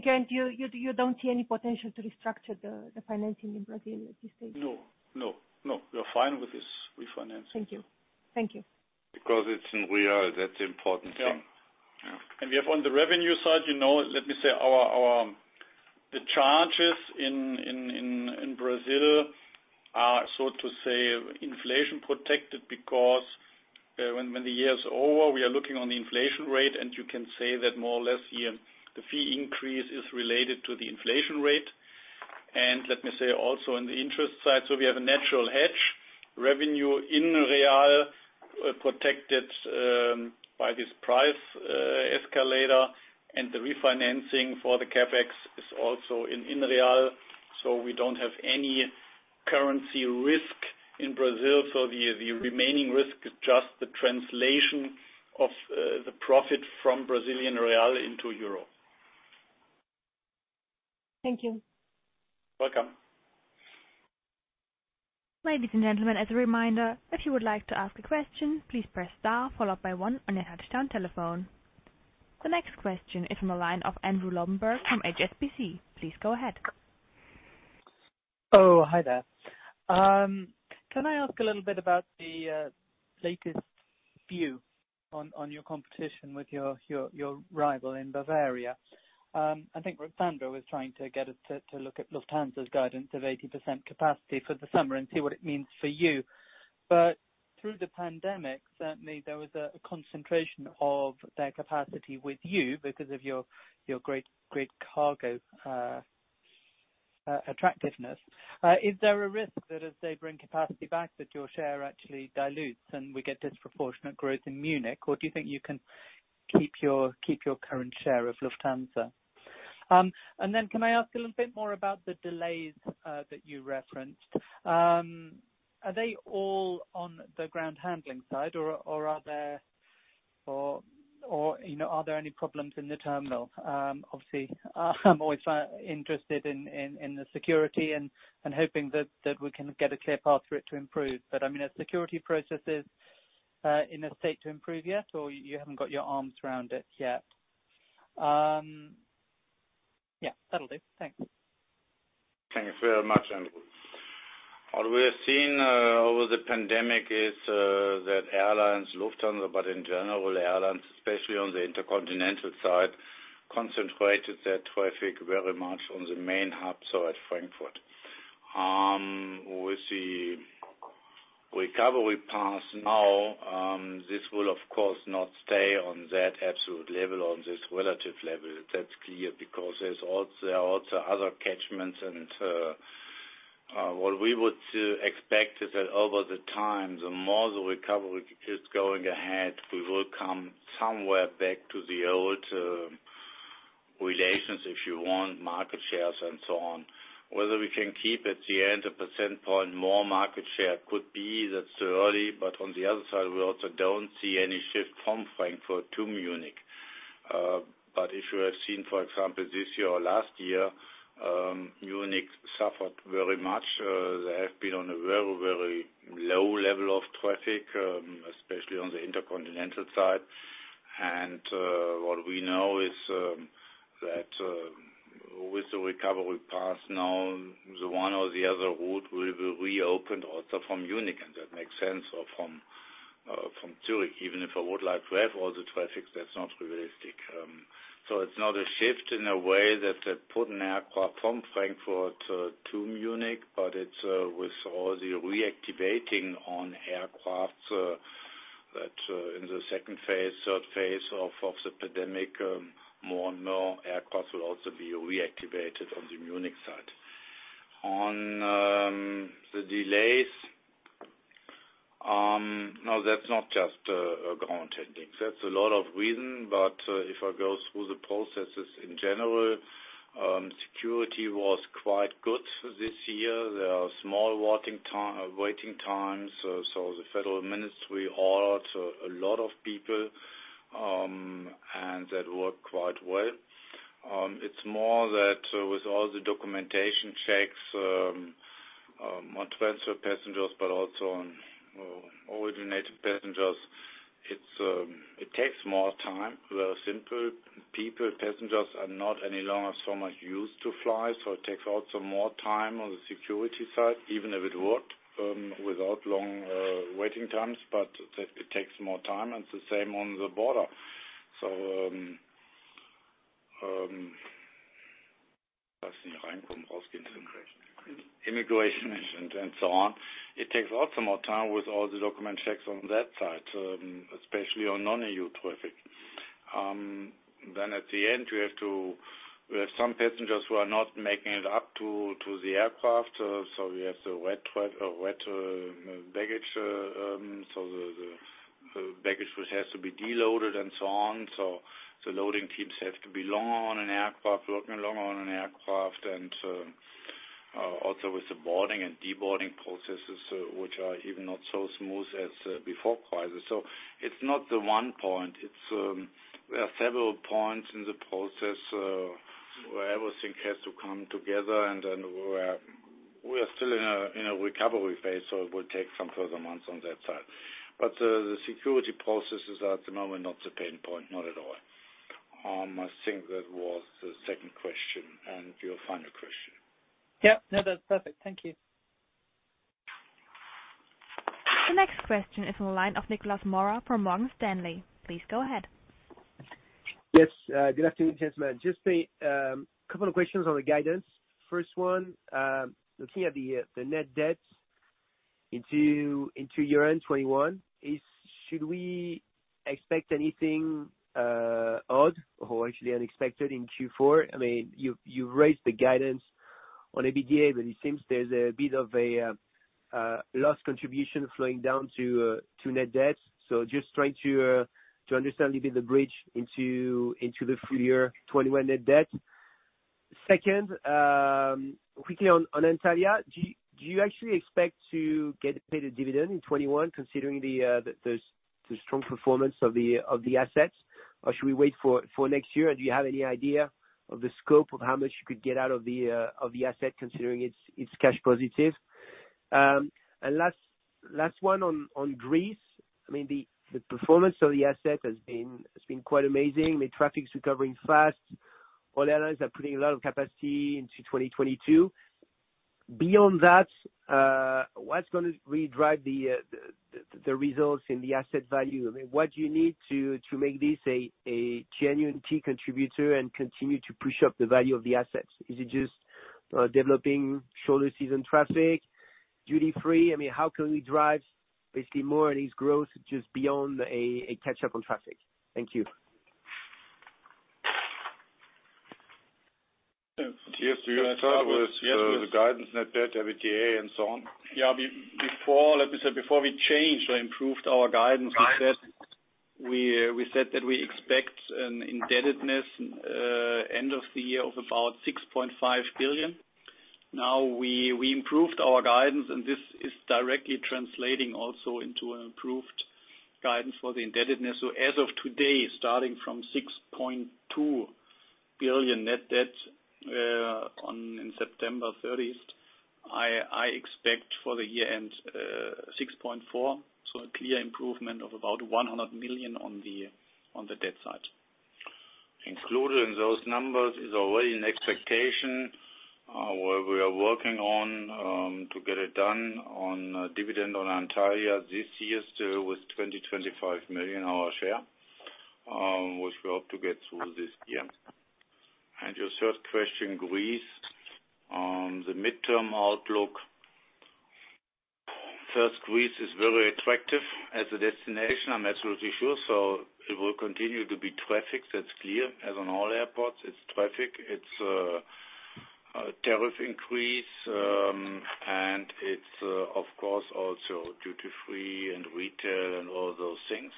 Thank you. You don't see any potential to restructure the financing in Brazil at this stage? No, no. We're fine with this refinancing. Thank you. Thank you. Because it's in real, that's important thing. Yeah. Yeah. We have on the revenue side, you know, let me say our charges in Brazil are, so to say, inflation protected, because when the year is over, we are looking on the inflation rate, and you can say that more or less, the fee increase is related to the inflation rate. Let me say also on the interest side, so we have a natural hedge, revenue in Brazilian real protected by this price escalator, and the refinancing for the CapEx is also in Brazilian real. We don't have any currency risk in Brazil. The remaining risk is just the translation of the profit from Brazilian real into euro. Thank you. Welcome. Ladies and gentlemen, as a reminder, if you would like to ask a question, please press Star followed by one on your touch tone telephone. The next question is from the line of Andrew Lobbenberg from HSBC. Please go ahead. Oh, hi there. Can I ask a little bit about the latest view on your competition with your rival in Bavaria? I think Ruxandra was trying to get us to look at Lufthansa's guidance of 80% capacity for the summer and see what it means for you. Through the pandemic, certainly there was a concentration of their capacity with you because of your great cargo attractiveness. Is there a risk that as they bring capacity back, that your share actually dilutes and we get disproportionate growth in Munich? Or do you think you can keep your current share of Lufthansa? Can I ask a little bit more about the delays that you referenced? Are they all on the ground handling side or are there... You know, are there any problems in the terminal? Obviously I'm always interested in the security and hoping that we can get a clear path for it to improve. I mean, are security processes in a state to improve yet, or you haven't got your arms around it yet? Yeah, that'll do. Thanks. Thanks very much, Andrew. What we have seen over the pandemic is that airlines, Lufthansa, but in general airlines, especially on the intercontinental side, concentrated their traffic very much on the main hub, so at Frankfurt. With the recovery path now, this will of course not stay on that absolute level, on this relative level. That's clear because there's also other catchments and what we would expect is that over the time, the more the recovery is going ahead, we will come somewhere back to the old relations, if you want, market shares and so on. Whether we can keep at the end a percentage point more market share could be, that's early, but on the other side, we also don't see any shift from Frankfurt to Munich. If you have seen, for example, this year or last year, Munich suffered very much. They have been on a very low level of traffic, especially on the intercontinental side. What we know is that with the recovery path now, the one or the other route will be reopened also from Munich, and that makes sense, or from Zurich, even if I would like to have all the traffic, that's not realistic. It's not a shift in a way that they put an aircraft from Frankfurt to Munich, but it's with all the reactivating on aircraft that in the second phase, third phase of the pandemic, more and more aircraft will also be reactivated on the Munich side. On the delays, no, that's not just ground handling. There's a lot of reasons, but if I go through the processes in general, security was quite good this year. There are small waiting times, so the federal ministry hired a lot of people, and that worked quite well. It's more that with all the documentation checks, more transfer passengers, but also on all the native passengers, it takes more time. Well, simply, people, passengers are not any longer so much used to fly, so it takes also more time on the security side, even if it worked without long waiting times, but it takes more time, and it's the same on the border. Immigration and so on. It takes also more time with all the document checks on that side, especially on non-EU traffic. At the end, we have some passengers who are not making it up to the aircraft, so we have the baggage which has to be deloaded and so on. The loading teams have to be longer on an aircraft, loading longer on an aircraft and also with the boarding and deboarding processes, which are not even so smooth as before the crisis. It's not the one point. There are several points in the process where everything has to come together and then we're still in a recovery phase, so it will take some further months on that side. The security process is at the moment not the pain point, not at all. I think that was the second question, and your final question. Yeah. No, that's perfect. Thank you. The next question is on the line of Nicolas Mora from Morgan Stanley. Please go ahead. Yes. Good afternoon, gentlemen. Just a couple of questions on the guidance. First one, looking at the net debt into year-end 2021, should we expect anything odd or actually unexpected in Q4? I mean, you raised the guidance on EBITDA, but it seems there's a bit of a loss contribution flowing down to net debt. So just trying to understand a little bit the bridge into the full year 2021 net debt. Second, quickly on Antalya, do you actually expect to get paid a dividend in 2021 considering the strong performance of the assets? Or should we wait for next year? Do you have any idea of the scope of how much you could get out of the asset considering it's cash positive? Last one on Greece. I mean, the performance of the asset has been quite amazing. The traffic's recovering fast. All airlines are putting a lot of capacity into 2022. Beyond that, what's gonna really drive the results in the asset value? I mean, what do you need to make this a genuine key contributor and continue to push up the value of the assets? Is it just developing shoulder season traffic? Duty free? I mean, how can we drive basically more of this growth just beyond a catch-up on traffic? Thank you. Yes. Do you start with the guidance net debt, EBITDA and so on? Yeah. Before, let me say before we changed or improved our guidance. We said that we expect an indebtedness end of the year of about 6.5 billion. Now we improved our guidance, and this is directly translating also into an improved guidance for the indebtedness. As of today, starting from 6.2 billion net debt on September 30th, I expect for the year-end 6.4 billion. A clear improvement of about 100 million on the debt side. Included in those numbers is already an expectation, where we are working on to get it done on a dividend on Antalya this year still with 25 million our share, which we hope to get through this year. Your third question, Greece. The midterm outlook. First, Greece is very attractive as a destination, I'm absolutely sure. It will continue to be traffic, that's clear. As on all airports, it's traffic, it's a tariff increase, and it's of course also duty-free and retail and all those things.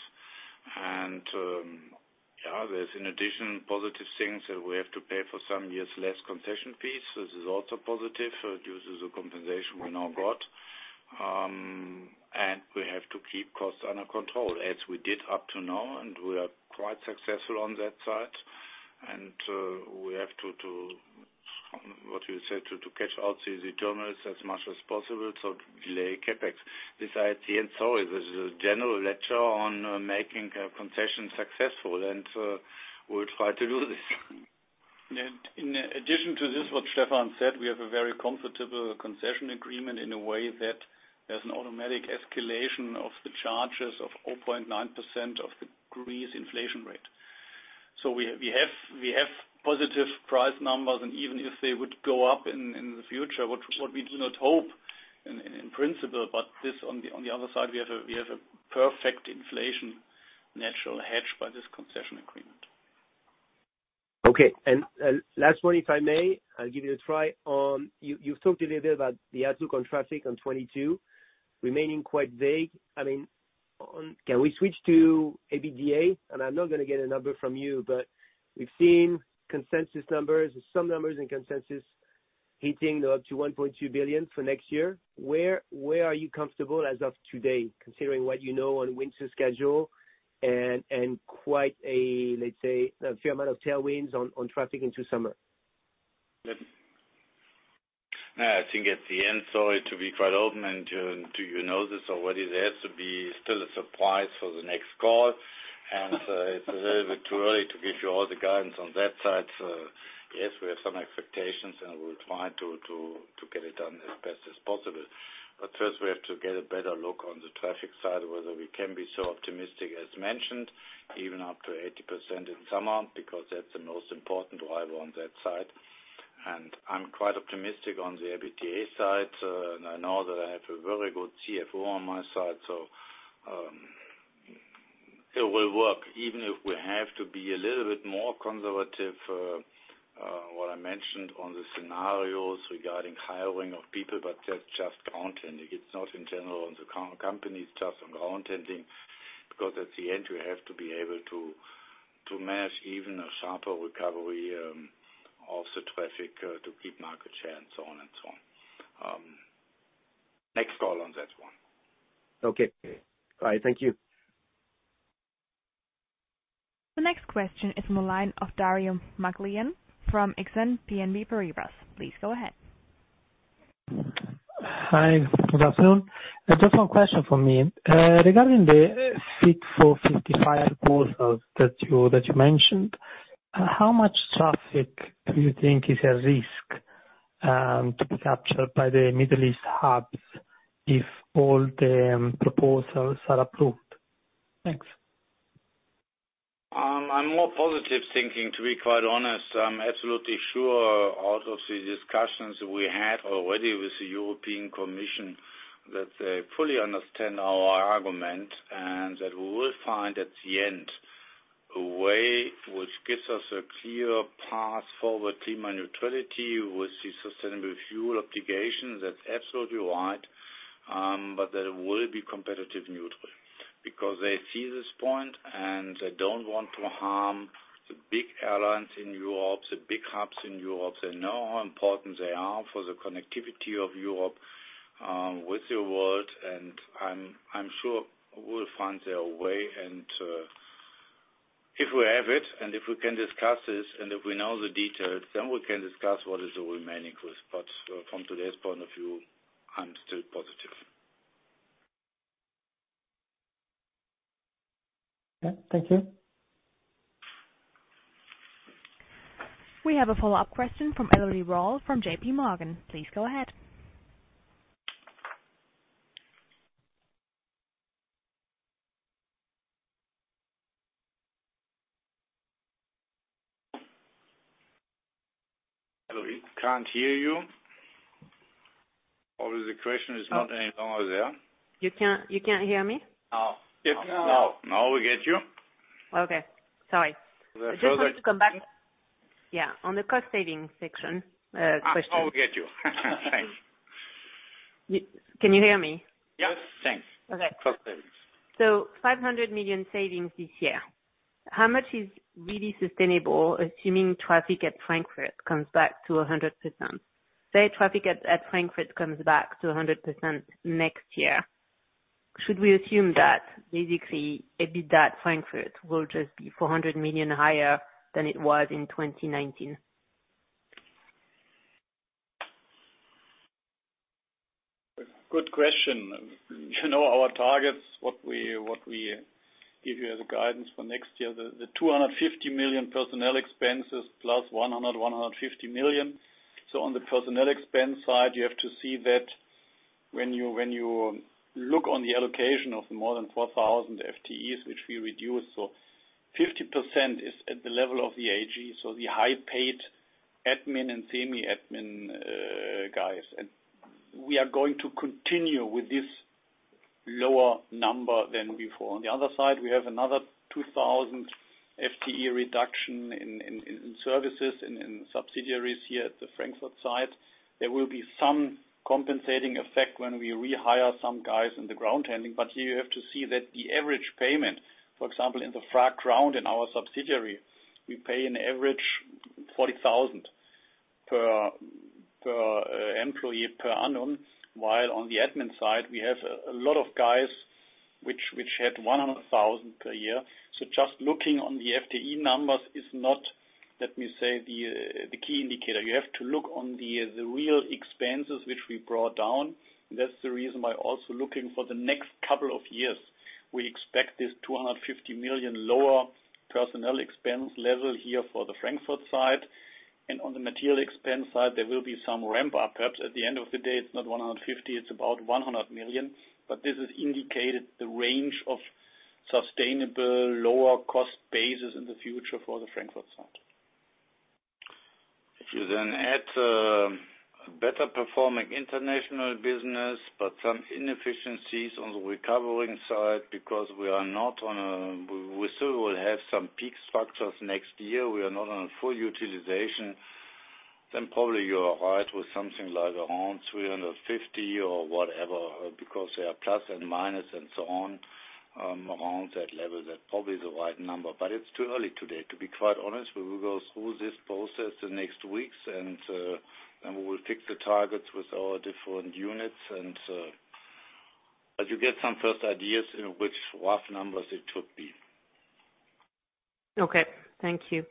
Yeah, there's in addition positive things that we have to pay for some years less concession fees. This is also positive, so it uses the compensation we now got. We have to keep costs under control as we did up to now, and we are quite successful on that side. We have to do what you said, to kit out the terminals as much as possible, so delay CapEx. This is at the end, so it was a general lecture on making a concession successful, and we'll try to do this. In addition to this, what Stefan said, we have a very comfortable concession agreement in a way that there's an automatic escalation of the charges of 0.9% of the Greek inflation rate. We have positive price numbers, and even if they would go up in the future, which we do not hope in principle, but this on the other side, we have a perfect inflation natural hedge by this concession agreement. Okay. Last one, if I may, I'll give it a try. You've talked a little bit about the outlook on traffic in 2022 remaining quite vague. I mean, can we switch to EBITDA? I'm not gonna get a number from you, but we've seen consensus numbers, some numbers and consensus hitting up to 1.2 billion for next year. Where are you comfortable as of today, considering what you know on winter schedule and quite a, let's say, a fair amount of tailwinds on traffic into summer? Yeah. I think at the end, so to be quite open and to you know this already, there has to be still a surprise for the next call. It's a little bit too early to give you all the guidance on that side. Yes, we have some expectations, and we'll try to get it done as best as possible. First, we have to get a better look on the traffic side, whether we can be so optimistic as mentioned, even up to 80% in summer, because that's the most important driver on that side. I'm quite optimistic on the ABTA side, and I know that I have a very good CFO on my side. It will work, even if we have to be a little bit more conservative, what I mentioned on the scenarios regarding hiring of people, but that's just ground handling. It's not in general on the company, it's just on ground handling. Because at the end, you have to be able to manage even a sharper recovery of the traffic to keep market share and so on. Next call on that one. Okay. All right. Thank you. The next question is from the line of Dario Maglione from Exane BNP Paribas. Please go ahead. Hi, Stefan Schulte. Just one question from me. Regarding the EU Fit for 55 proposals that you mentioned, how much traffic do you think is at risk to be captured by the Middle East hubs if all the proposals are approved? Thanks. I'm more positive thinking, to be quite honest. I'm absolutely sure out of the discussions we had already with the European Commission that they fully understand our argument and that we will find at the end a way which gives us a clear path forward climate neutrality with the sustainable fuel obligations. That's absolutely right, but that will be competitive neutral. Because they see this point, and they don't want to harm the big airlines in Europe, the big hubs in Europe. They know how important they are for the connectivity of Europe, with the world, and I'm sure we'll find a way. If we have it, and if we can discuss this, and if we know the details, then we can discuss what is the remaining risk. From today's point of view, I'm still positive. Okay. Thank you. We have a follow-up question from Elodie Rall from J.P. Morgan. Please go ahead. Elodie, can't hear you. The question is not any longer there. You can't hear me? No. Now we get you. Okay. Sorry. The further- I just wanted to come back, yeah, on the cost savings section, question. Oh, we get you. Thanks. Can you hear me? Yes, thanks. Okay. 500 million savings this year. How much is really sustainable assuming traffic at Frankfurt comes back to 100%? Say traffic at Frankfurt comes back to 100% next year. Should we assume that basically EBITDA at Frankfurt will just be 400 million higher than it was in 2019? Good question. You know, our targets, what we give you as a guidance for next year, the 250 million personnel expenses plus 150 million. On the personnel expense side, you have to see that when you look on the allocation of more than 4,000 FTEs, which we reduced. 50% is at the level of the AG, so the high paid admin and semi admin guys. We are going to continue with this lower number than before. On the other side, we have another 2,000 FTE reduction in services and in subsidiaries here at the Frankfurt site. There will be some compensating effect when we rehire some guys in the ground handling. Here you have to see that the average payment, for example, in the FraGround, in our subsidiary, we pay an average 40,000 per employee per annum. While on the admin side we have a lot of guys which had 100,000 per year. So just looking on the FTE numbers is not, let me say, the key indicator. You have to look on the real expenses which we brought down. That's the reason why also looking for the next couple of years, we expect this 250 million lower personnel expense level here for the Frankfurt side. On the material expense side there will be some ramp up. Perhaps at the end of the day, it's not 150 million, it's about 100 million. This has indicated the range of sustainable lower cost basis in the future for the Frankfurt side. If you then add better performing international business, but some inefficiencies on the recovering side because we still will have some peak structures next year. We are not on a full utilization then probably you are right with something like around 350 or whatever, because there are plus and minus and so on, around that level. That probably is the right number, but it's too early today to be quite honest. We will go through this process the next weeks and and we will pick the targets with our different units and but you get some first ideas in which rough numbers it should be. Okay, thank you.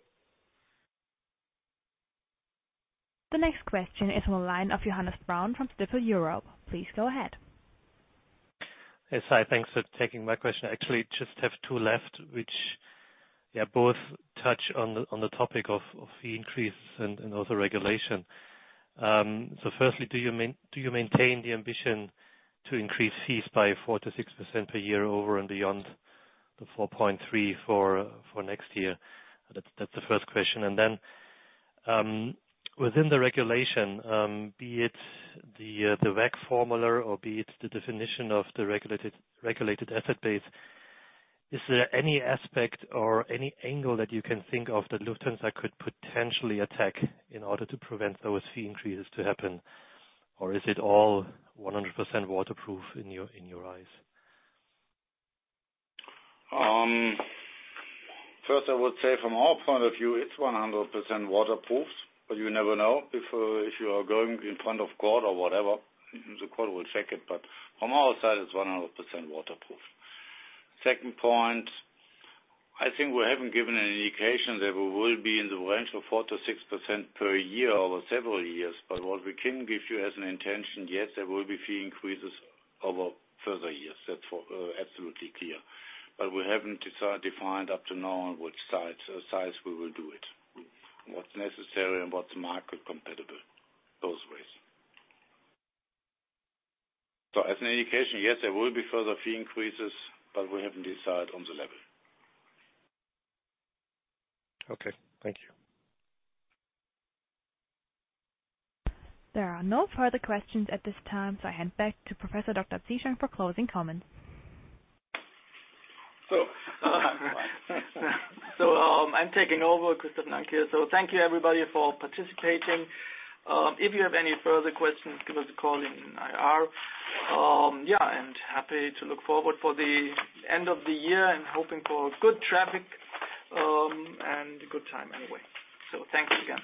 The next question is on the line of Johannes Braun from Stifel Europe. Please go ahead. Yes, hi. Thanks for taking my question. I actually just have two left, which yeah both touch on the topic of fee increase and also regulation. Firstly, do you maintain the ambition to increase fees by 4%-6% per year over and beyond the 4.3% for next year? That's the first question. Within the regulation, be it the WACC formula or be it the definition of the regulated asset base, is there any aspect or any angle that you can think of that Lufthansa could potentially attack in order to prevent those fee increases to happen? Or is it all 100% watertight in your eyes? First, I would say from our point of view it's 100% waterproof, but you never know if you are going in front of court or whatever, the court will check it. From our side it's 100% waterproof. Second point, I think we haven't given any indication that we will be in the range of 4%-6% per year over several years. What we can give you as an intention, yes, there will be fee increases over further years. That's absolutely clear. We haven't defined up to now which sites we will do it, what's necessary and what's market competitive, those ways. As an indication, yes, there will be further fee increases, but we haven't decided on the level. Okay, thank you. There are no further questions at this time. I hand back to Professor Dr. Seehusen for closing comments. I'm taking over. Christoph Nanke. Thank you everybody for participating. If you have any further questions, give us a call in IR. Happy to look forward for the end of the year and hoping for good traffic, and a good time anyway. Thank you again.